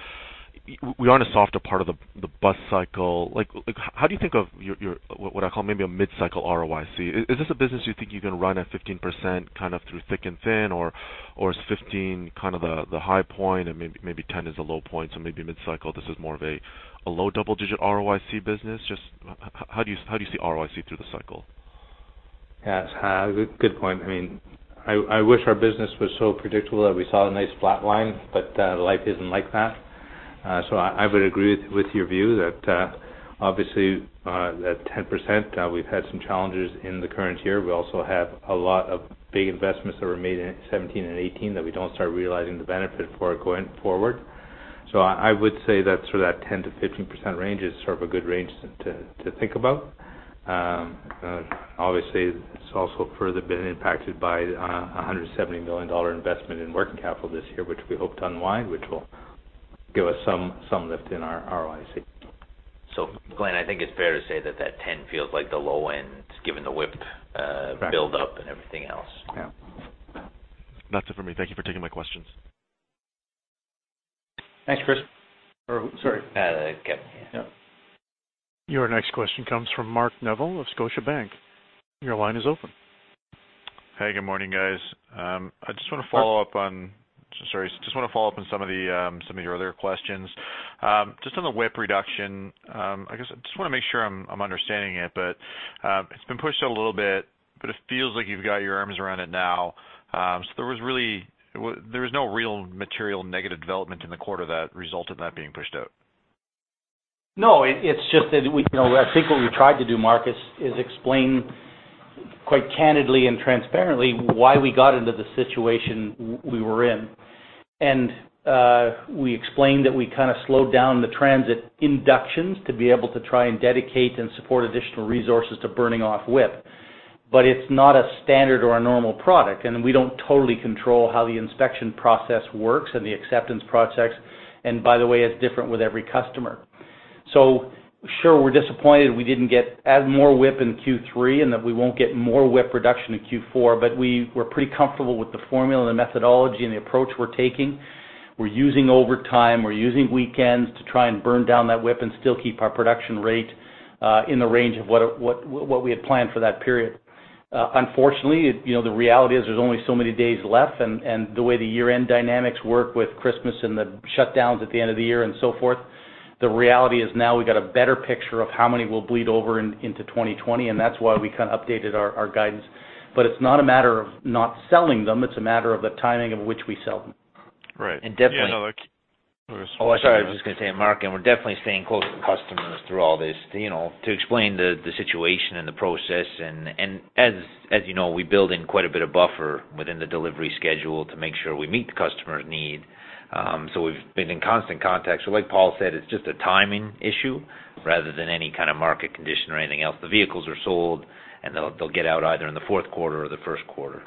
We are on a softer part of the bus cycle. How do you think of your, what I call maybe a mid-cycle ROIC? Is this a business you think you can run at 15% kind of through thick and thin, or is 15% kind of the high point and maybe 10% is a low point, so maybe mid-cycle, this is more of a low double-digit ROIC business? Just how do you see ROIC through the cycle? Good point. I wish our business was so predictable that we saw a nice flat line, life isn't like that. I would agree with your view that obviously, that 10%, we've had some challenges in the current year. We also have a lot of big investments that were made in 2017 and 2018 that we don't start realizing the benefit for going forward. I would say that sort of that 10%-15% range is sort of a good range to think about. Obviously, it's also further been impacted by 170 million dollar investment in working capital this year, which we hope to unwind, which will give us some lift in our ROIC. Glenn, I think it's fair to say that that 10 feels like the low end given the WIP buildup and everything else. Yeah. That's it for me. Thank you for taking my questions. Thanks, Chris. sorry. Kevin, yeah. Yep. Your next question comes from Mark Neville of Scotiabank. Your line is open. Hey, good morning, guys. I just want to follow up on some of your other questions. Just on the WIP reduction. I guess I just want to make sure I'm understanding it, but it's been pushed out a little bit, but it feels like you've got your arms around it now. There was no real material negative development in the quarter that resulted in that being pushed out. No, it's just that I think what we tried to do, Mark, is explain quite candidly and transparently why we got into the situation we were in. We explained that we kind of slowed down the transit inductions to be able to try and dedicate and support additional resources to burning off WIP. It's not a standard or a normal product, and we don't totally control how the inspection process works and the acceptance process, and by the way, it's different with every customer. Sure, we're disappointed we didn't add more WIP in Q3, and that we won't get more WIP reduction in Q4, but we're pretty comfortable with the formula, the methodology, and the approach we're taking. We're using overtime, we're using weekends to try and burn down that WIP and still keep our production rate in the range of what we had planned for that period. Unfortunately, the reality is there's only so many days left, and the way the year-end dynamics work with Christmas and the shutdowns at the end of the year and so forth, the reality is now we've got a better picture of how many will bleed over into 2020, and that's why we updated our guidance. It's not a matter of not selling them, it's a matter of the timing of which we sell them. Right. Yeah, no, like- Definitely, sorry, I was just going to say, Mark, we're definitely staying close with customers through all this to explain the situation and the process. As you know, we build in quite a bit of buffer within the delivery schedule to make sure we meet the customer's need. We've been in constant contact. Like Paul said, it's just a timing issue rather than any kind of market condition or anything else. The vehicles are sold, and they'll get out either in the fourth quarter or the first quarter.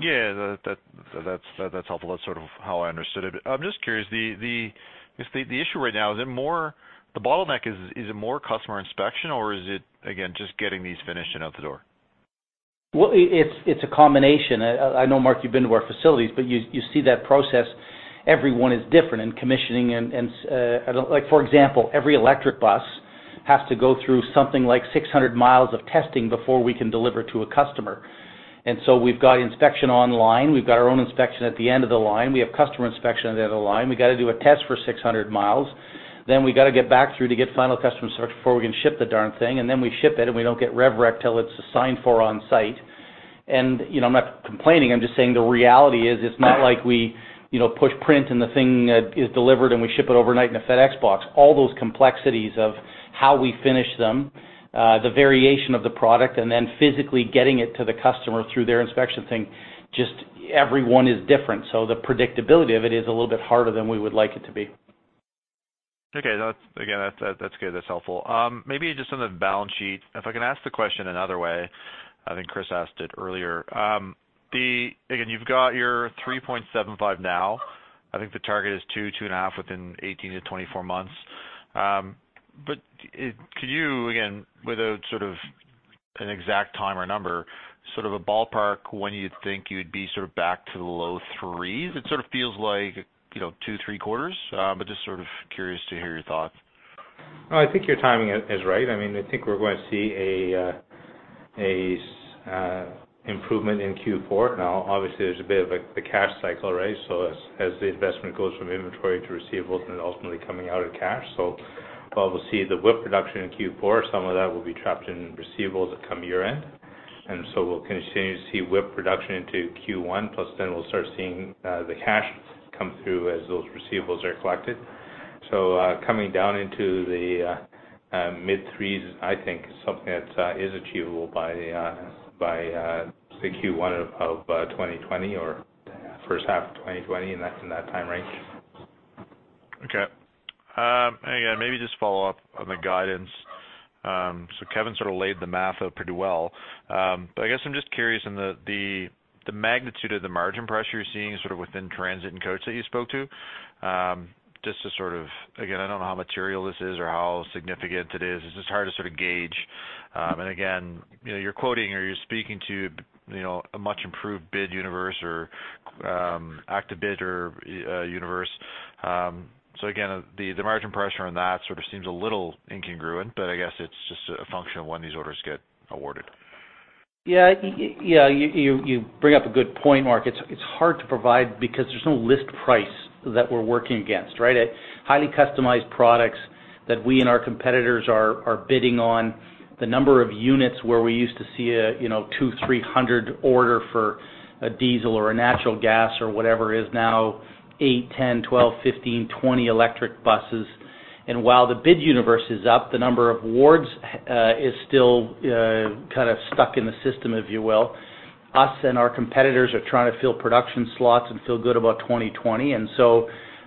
Yeah, that's helpful. That's sort of how I understood it. I'm just curious, the issue right now, the bottleneck, is it more customer inspection or is it, again, just getting these finished and out the door? Well, it's a combination. I know, Mark, you've been to our facilities. You see that process. Every one is different in commissioning and Like for example, every electric bus has to go through something like 600 miles of testing before we can deliver to a customer. We've got inspection online, we've got our own inspection at the end of the line, we have customer inspection at the end of the line. We got to do a test for 600 miles. We got to get back through to get final customer search before we can ship the darn thing, and then we ship it, and we don't get rev rec till it's signed for on site. I'm not complaining, I'm just saying the reality is, it's not like we push print and the thing is delivered and we ship it overnight in a FedEx box. All those complexities of how we finish them, the variation of the product, and then physically getting it to the customer through their inspection thing, just every one is different. The predictability of it is a little bit harder than we would like it to be. Okay. Again, that's good. That's helpful. Maybe just on the balance sheet, if I can ask the question another way, I think Chris asked it earlier. Again, you've got your 3.75 now. I think the target is two, 2.5 within 18 to 24 months. Could you, again, without sort of an exact time or number, sort of a ballpark when you think you'd be sort of back to the low threes? It sort of feels like two, three quarters, but just sort of curious to hear your thoughts. I think your timing is right. I think we're going to see a improvement in Q4. Now, obviously, there's a bit of the cash cycle, right? As the investment goes from inventory to receivables and then ultimately coming out of cash. While we'll see the WIP reduction in Q4, some of that will be trapped in receivables that come year-end. We'll continue to see WIP production into Q1, plus then we'll start seeing the cash come through as those receivables are collected. Coming down into the mid-threes, I think is something that is achievable by the Q1 of 2020 or first half of 2020, in that time range. Okay. Again, maybe just follow up on the guidance. Kevin sort of laid the math out pretty well. I guess I'm just curious in the magnitude of the margin pressure you're seeing sort of within transit and coach that you spoke to, just to sort of, again, I don't know how material this is or how significant it is. It's just hard to sort of gauge. Again, you're quoting or you're speaking to a much improved bid universe or active bid universe. Again, the margin pressure on that sort of seems a little incongruent, but I guess it's just a function of when these orders get awarded. You bring up a good point, Mark. It's hard to provide because there's no list price that we're working against, right? Highly customized products that we and our competitors are bidding on. The number of units where we used to see a 200, 300 order for a diesel or a natural gas or whatever is now eight, 10, 12, 15, 20 electric buses. While the bid universe is up, the number of awards is still kind of stuck in the system, if you will. Us and our competitors are trying to fill production slots and feel good about 2020.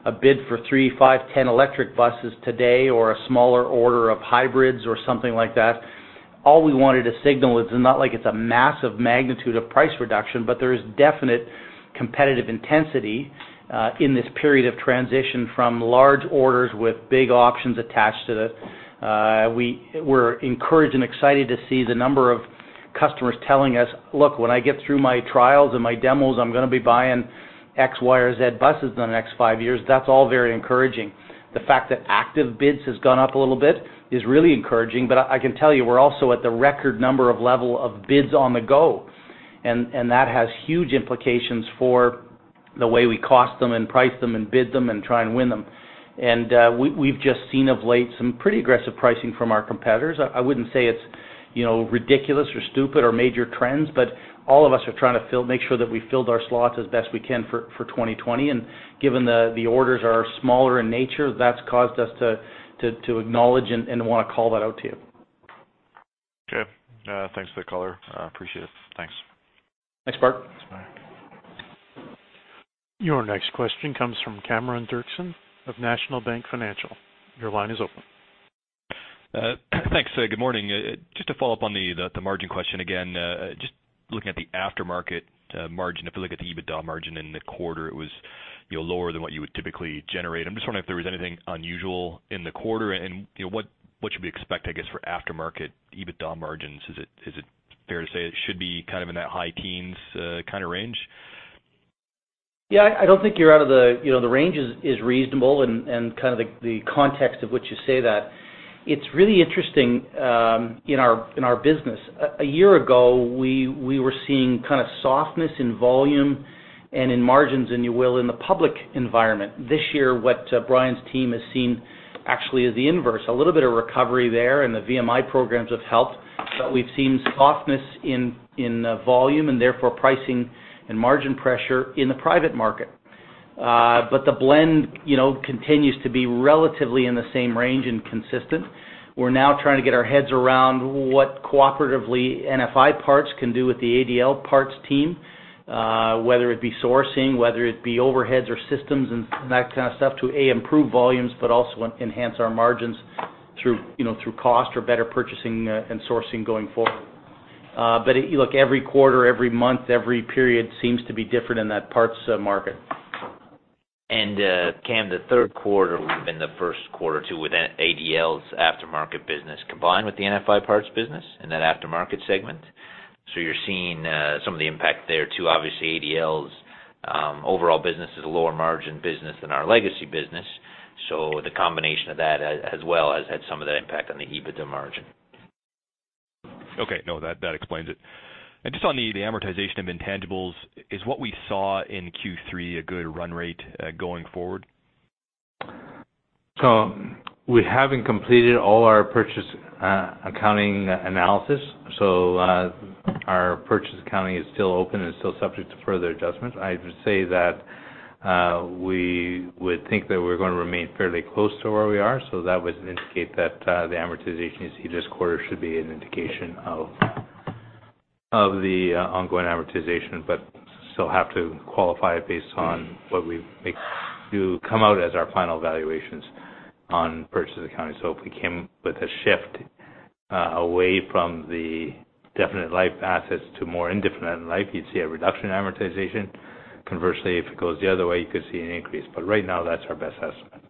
A bid for three, five, 10 electric buses today or a smaller order of hybrids or something like that, all we wanted to signal is not like it's a massive magnitude of price reduction, but there is definite competitive intensity, in this period of transition from large orders with big options attached to it. We're encouraged and excited to see the number of customers telling us, "Look, when I get through my trials and my demos, I'm going to be buying X, Y, or Z buses in the next five years." That's all very encouraging. The fact that active bids has gone up a little bit is really encouraging. I can tell you, we're also at the record number of level of bids on the go, and that has huge implications for the way we cost them and price them and bid them and try and win them. We've just seen of late some pretty aggressive pricing from our competitors. I wouldn't say it's ridiculous or stupid or major trends, but all of us are trying to make sure that we filled our slots as best we can for 2020. Given the orders are smaller in nature, that's caused us to acknowledge and want to call that out to you. Okay. Thanks for the color. Appreciate it. Thanks. Thanks, Mark. Thanks, Mark. Your next question comes from Cameron Doerksen of National Bank Financial. Your line is open. Thanks. Good morning. Just to follow up on the margin question again, just looking at the aftermarket margin, if you look at the EBITDA margin in the quarter, it was lower than what you would typically generate. I'm just wondering if there was anything unusual in the quarter and what should we expect, I guess, for aftermarket EBITDA margins? Is it fair to say it should be kind of in that high teens kind of range? Yeah, I don't think you're. The range is reasonable and kind of the context of which you say that. It's really interesting, in our business. A year ago, we were seeing kind of softness in volume and in margins, and we were in the public environment. This year, what Brian's team has seen actually is the inverse, a little bit of recovery there and the VMI programs have helped. We've seen softness in volume and therefore pricing and margin pressure in the private market. The blend continues to be relatively in the same range and consistent. We're now trying to get our heads around what cooperatively NFI Parts can do with the ADL Parts team, whether it be sourcing, whether it be overheads or systems and that kind of stuff to, A, improve volumes, but also enhance our margins through cost or better purchasing and sourcing going forward. Look, every quarter, every month, every period seems to be different in that parts market. Cam, the third quarter would've been the first quarter, too, with ADL's aftermarket business combined with the NFI Parts business in that aftermarket segment. You're seeing some of the impact there, too. Obviously, ADL's overall business is a lower margin business than our legacy business. The combination of that as well has had some of the impact on the EBITDA margin. Okay. No, that explains it. Just on the amortization of intangibles, is what we saw in Q3 a good run rate going forward? We haven't completed all our purchase accounting analysis. Our purchase accounting is still open and still subject to further adjustments. I would say that we would think that we're going to remain fairly close to where we are, so that would indicate that the amortization you see this quarter should be an indication of the ongoing amortization, but still have to qualify it based on what we make to come out as our final evaluations on purchase accounting. If we came with a shift away from the definite life assets to more indefinite life, you'd see a reduction in amortization. Conversely, if it goes the other way, you could see an increase. Right now, that's our best estimate.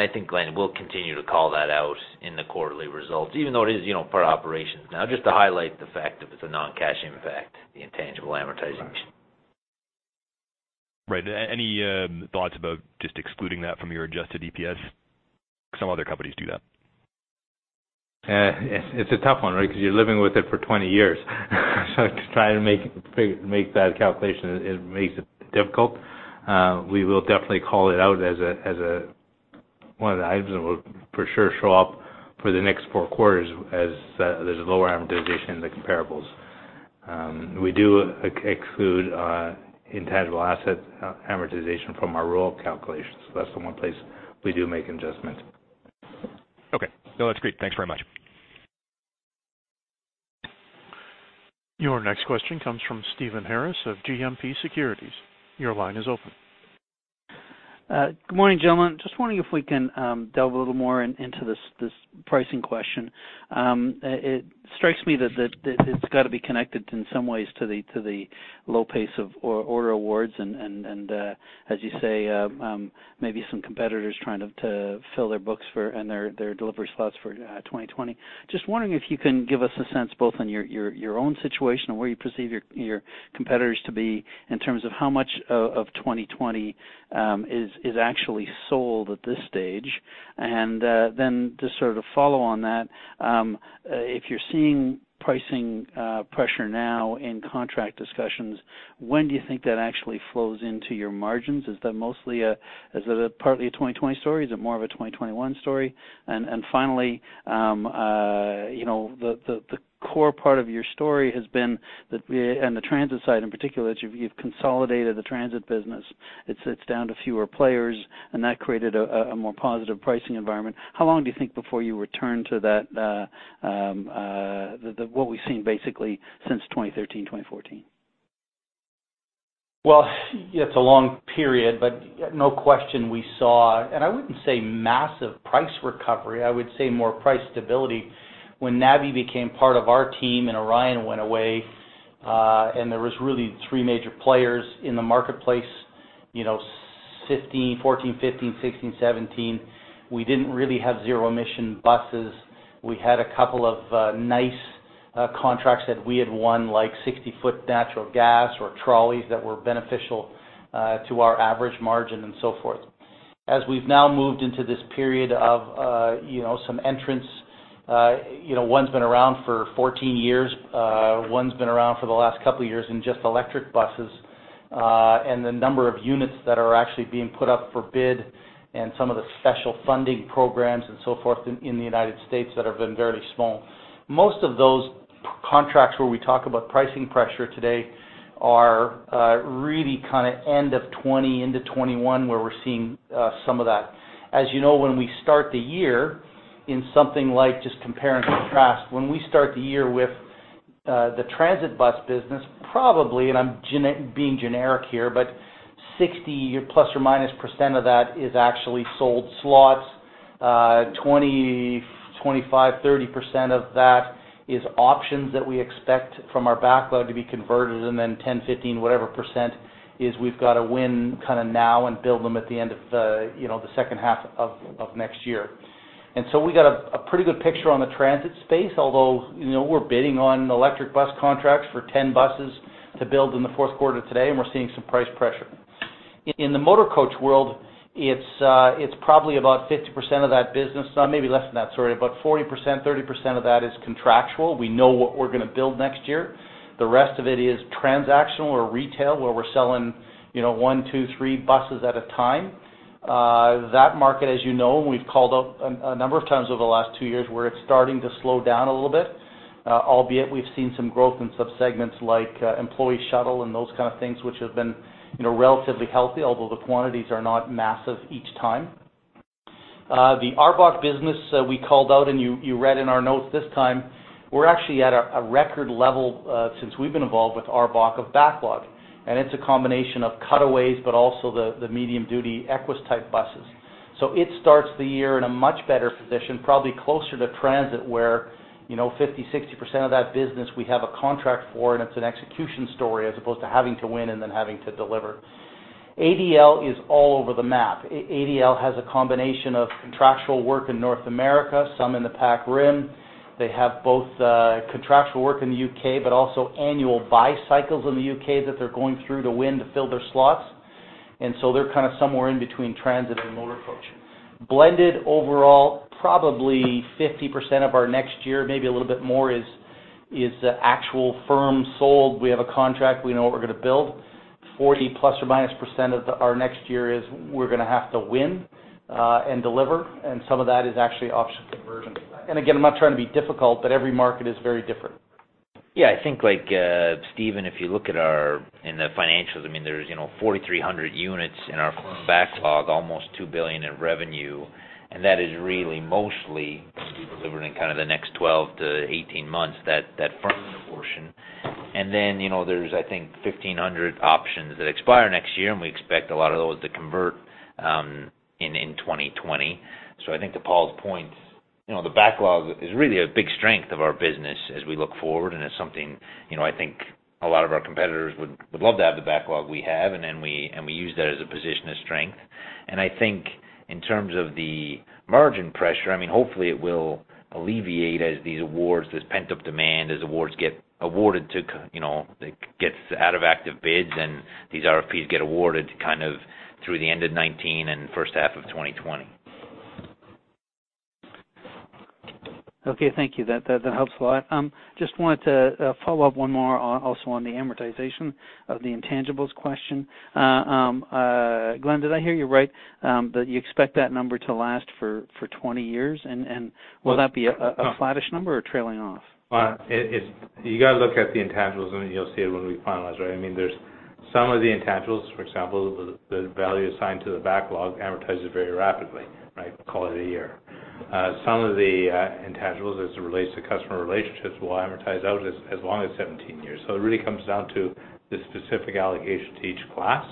I think, Glenn, we'll continue to call that out in the quarterly results, even though it is part of operations now, just to highlight the fact that it's a non-cash effect, the intangible amortization. Right. Any thoughts about just excluding that from your adjusted EPS? Some other companies do that. It's a tough one, right? Because you're living with it for 20 years. To try to make that calculation makes it difficult. One of the items that will for sure show up for the next four quarters, as there's lower amortization in the comparables. We do exclude intangible asset amortization from our roll-up calculations. That's the one place we do make adjustments. Okay. No, that's great. Thanks very much. Your next question comes from Stephen Harris of GMP Securities. Your line is open. Good morning, gentlemen. Just wondering if we can delve a little more into this pricing question. It strikes me that it has got to be connected in some ways to the low pace of order awards and as you say, maybe some competitors trying to fill their books and their delivery slots for 2020. Just wondering if you can give us a sense, both on your own situation and where you perceive your competitors to be in terms of how much of 2020 is actually sold at this stage. To sort of follow on that, if you are seeing pricing pressure now in contract discussions, when do you think that actually flows into your margins? Is that partly a 2020 story? Is it more of a 2021 story? Finally, the core part of your story has been, and the transit side in particular, is you have consolidated the transit business. It sits down to fewer players, and that created a more positive pricing environment. How long do you think before you return to what we've seen basically since 2013, 2014? Well, it's a long period, but no question we saw, and I wouldn't say massive price recovery, I would say more price stability when NABI became part of our team and Orion went away, and there was really three major players in the marketplace. 2014, 2015, 2016, 2017, we didn't really have zero-emission buses. We had a couple of nice contracts that we had won, like 60-foot natural gas or trolleys that were beneficial to our average margin and so forth. As we've now moved into this period of some entrants, one's been around for 14 years, one's been around for the last couple of years in just electric buses. The number of units that are actually being put up for bid and some of the special funding programs and so forth in the U.S. that have been very small. Most of those contracts where we talk about pricing pressure today are really kind of end of 2020 into 2021, where we're seeing some of that. As you know, when we start the year in something like just compare and contrast, when we start the year with the transit bus business, probably, and I'm being generic here, but 60, plus or minus % of that is actually sold slots. 20%, 25%, 30% of that is options that we expect from our backlog to be converted, then 10%, 15%, whatever % is we've got to win kind of now and build them at the end of the second half of next year. We got a pretty good picture on the transit space, although we're bidding on electric bus contracts for 10 buses to build in the fourth quarter today, and we're seeing some price pressure. In the motor coach world, it's probably about 50% of that business, maybe less than that, sorry, about 40%, 30% of that is contractual. We know what we're going to build next year. The rest of it is transactional or retail, where we're selling one, two, three buses at a time. That market, as you know, we've called out a number of times over the last two years where it's starting to slow down a little bit, albeit we've seen some growth in subsegments like employee shuttle and those kind of things which have been relatively healthy, although the quantities are not massive each time. The ARBOC business we called out, and you read in our notes this time, we're actually at a record level since we've been involved with ARBOC of backlog, and it's a combination of cutaways, but also the medium-duty Equess type buses. It starts the year in a much better position, probably closer to transit, where 50%-60% of that business we have a contract for, and it's an execution story as opposed to having to win and then having to deliver. ADL is all over the map. ADL has a combination of contractual work in North America, some in the Pac Rim. They have both contractual work in the U.K., also annual buy cycles in the U.K. that they're going through to win to fill their slots. They're kind of somewhere in between transit and motor coach. Blended overall, probably 50% of our next year, maybe a little bit more is actual firm sold. We have a contract. We know what we're going to build. 40 ±% of our next year is we're going to have to win and deliver. Some of that is actually option conversion. Again, I'm not trying to be difficult, but every market is very different. I think like, Steven, if you look in the financials, there's 4,300 units in our backlog, almost $2 billion in revenue, that is really mostly delivered in kind of the next 12 to 18 months, that front-end portion. Then there's I think 1,500 options that expire next year, and we expect a lot of those to convert in 2020. I think to Paul's point, the backlog is really a big strength of our business as we look forward, and it's something I think a lot of our competitors would love to have the backlog we have, and we use that as a position of strength. I think in terms of the margin pressure, hopefully it will alleviate as these awards, this pent-up demand as awards get awarded to, gets out of active bids and these RFPs get awarded kind of through the end of 2019 and first half of 2020. Okay, thank you. That helps a lot. Just wanted to follow up one more also on the amortization of the intangibles question. Glenn, did I hear you right? That you expect that number to last for 20 years? Will that be a flattish number or trailing off? Well, you got to look at the intangibles, and you'll see it when we finalize, right? There's some of the intangibles, for example, the value assigned to the backlog amortizes very rapidly, right? Call it one year. Some of the intangibles as it relates to customer relationships will amortize out as long as 17 years. It really comes down to the specific allocation to each class.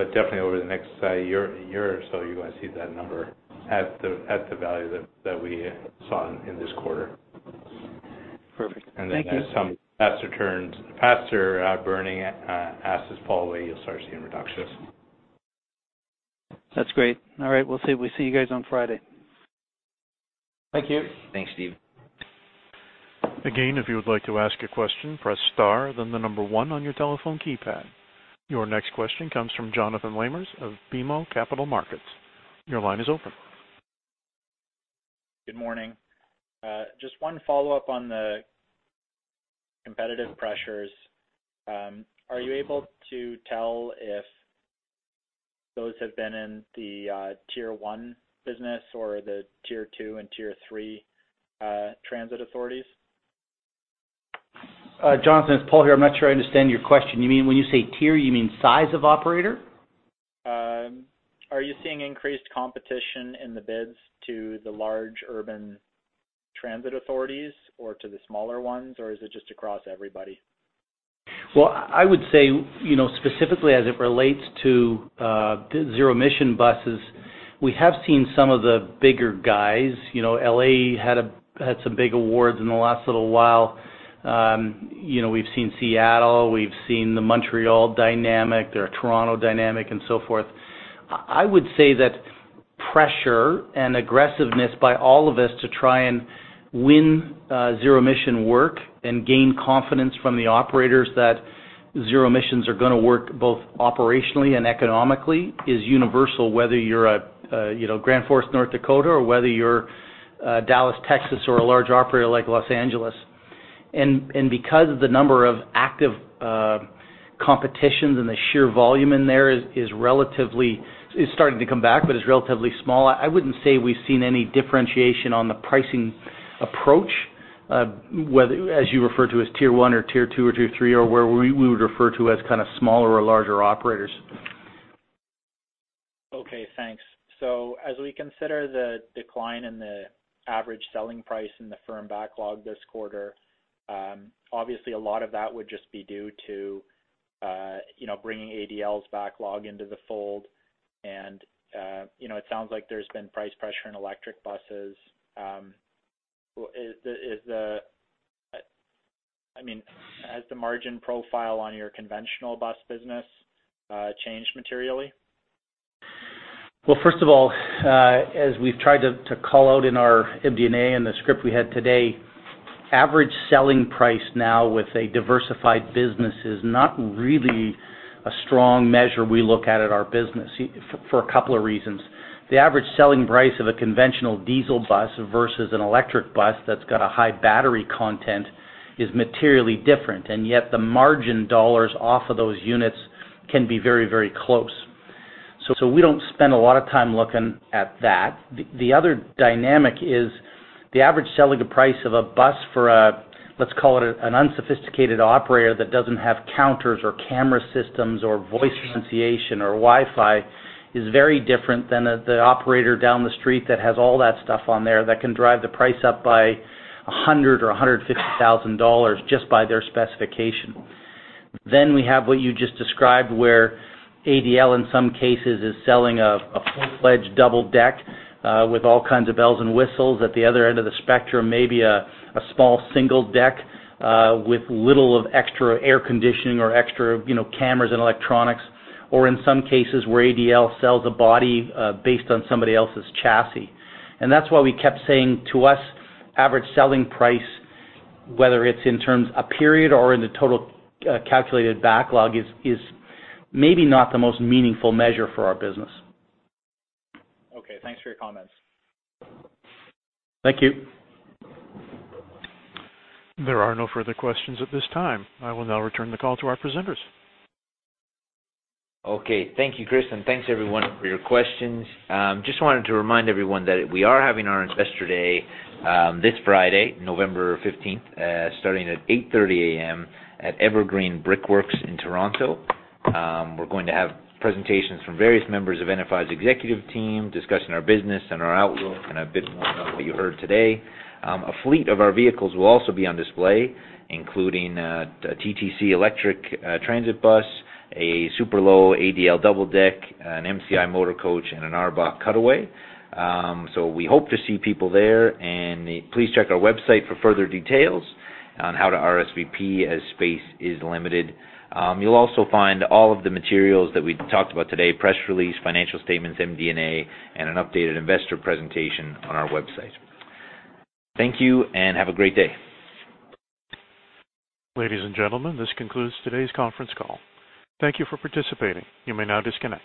Definitely over the next year or so, you're going to see that number at the value that we saw in this quarter. Perfect. Thank you. As some faster turns, faster burning assets fall away, you'll start seeing reductions. That's great. All right. We'll see you guys on Friday. Thank you. Thanks, Steve. Again, if you would like to ask a question, press star then the number one on your telephone keypad. Your next question comes from Jonathan Lamers of BMO Capital Markets. Your line is open. Good morning. Just one follow-up on the competitive pressures. Are you able to tell if those have been in the Tier 1 business or the Tier 2 and Tier 3 transit authorities? Jonathan, it's Paul here. I'm not sure I understand your question. You mean, when you say tier, you mean size of operator? Are you seeing increased competition in the bids to the large urban transit authorities or to the smaller ones, or is it just across everybody? Well, I would say, specifically as it relates to zero-emission buses, we have seen some of the bigger guys. L.A. had some big awards in the last little while. We've seen Seattle, we've seen the Montreal dynamic, their Toronto dynamic, and so forth. I would say that pressure and aggressiveness by all of us to try and win zero-emission work and gain confidence from the operators that zero emissions are going to work both operationally and economically is universal, whether you're at Grand Forks, North Dakota, or whether you're Dallas, Texas, or a large operator like Los Angeles. Because of the number of active competitions and the sheer volume in there is starting to come back, but is relatively small, I wouldn't say we've seen any differentiation on the pricing approach, as you refer to as Tier 1 or Tier 2 or Tier 3, or where we would refer to as kind of smaller or larger operators. Okay, thanks. As we consider the decline in the average selling price in the firm backlog this quarter, obviously a lot of that would just be due to bringing ADL's backlog into the fold. It sounds like there's been price pressure in electric buses. Has the margin profile on your conventional bus business changed materially? Well, first of all, as we've tried to call out in our MD&A and the script we had today, average selling price now with a diversified business is not really a strong measure we look at at our business for a couple of reasons. The average selling price of a conventional diesel bus versus an electric bus that's got a high battery content is materially different, and yet the margin dollars off of those units can be very close. We don't spend a lot of time looking at that. The other dynamic is the average selling price of a bus for a, let's call it an unsophisticated operator that doesn't have counters or camera systems or voice pronunciation or Wi-Fi, is very different than the operator down the street that has all that stuff on there that can drive the price up by $100,000 or $150,000 just by their specification. We have what you just described, where ADL in some cases is selling a full-fledged double-deck with all kinds of bells and whistles. At the other end of the spectrum, maybe a small single-deck with little of extra air conditioning or extra cameras and electronics, or in some cases where ADL sells a body based on somebody else's chassis. That's why we kept saying to us, average selling price, whether it's in terms a period or in the total calculated backlog, is maybe not the most meaningful measure for our business. Okay, thanks for your comments. Thank you. There are no further questions at this time. I will now return the call to our presenters. Okay. Thank you, Chris, and thanks everyone for your questions. Just wanted to remind everyone that we are having our investor day this Friday, November 15th, starting at 8:30 A.M. at Evergreen Brick Works in Toronto. We're going to have presentations from various members of NFI Group's executive team discussing our business and our outlook in a bit more than what you heard today. A fleet of our vehicles will also be on display, including a TTC electric transit bus, a Super-Lo ADL double deck, an MCI motor coach, and an ARBOC cutaway. We hope to see people there, and please check our website for further details on how to RSVP as space is limited. You'll also find all of the materials that we talked about today, press release, financial statements, MD&A, and an updated investor presentation on our website. Thank you and have a great day. Ladies and gentlemen, this concludes today's conference call. Thank you for participating. You may now disconnect.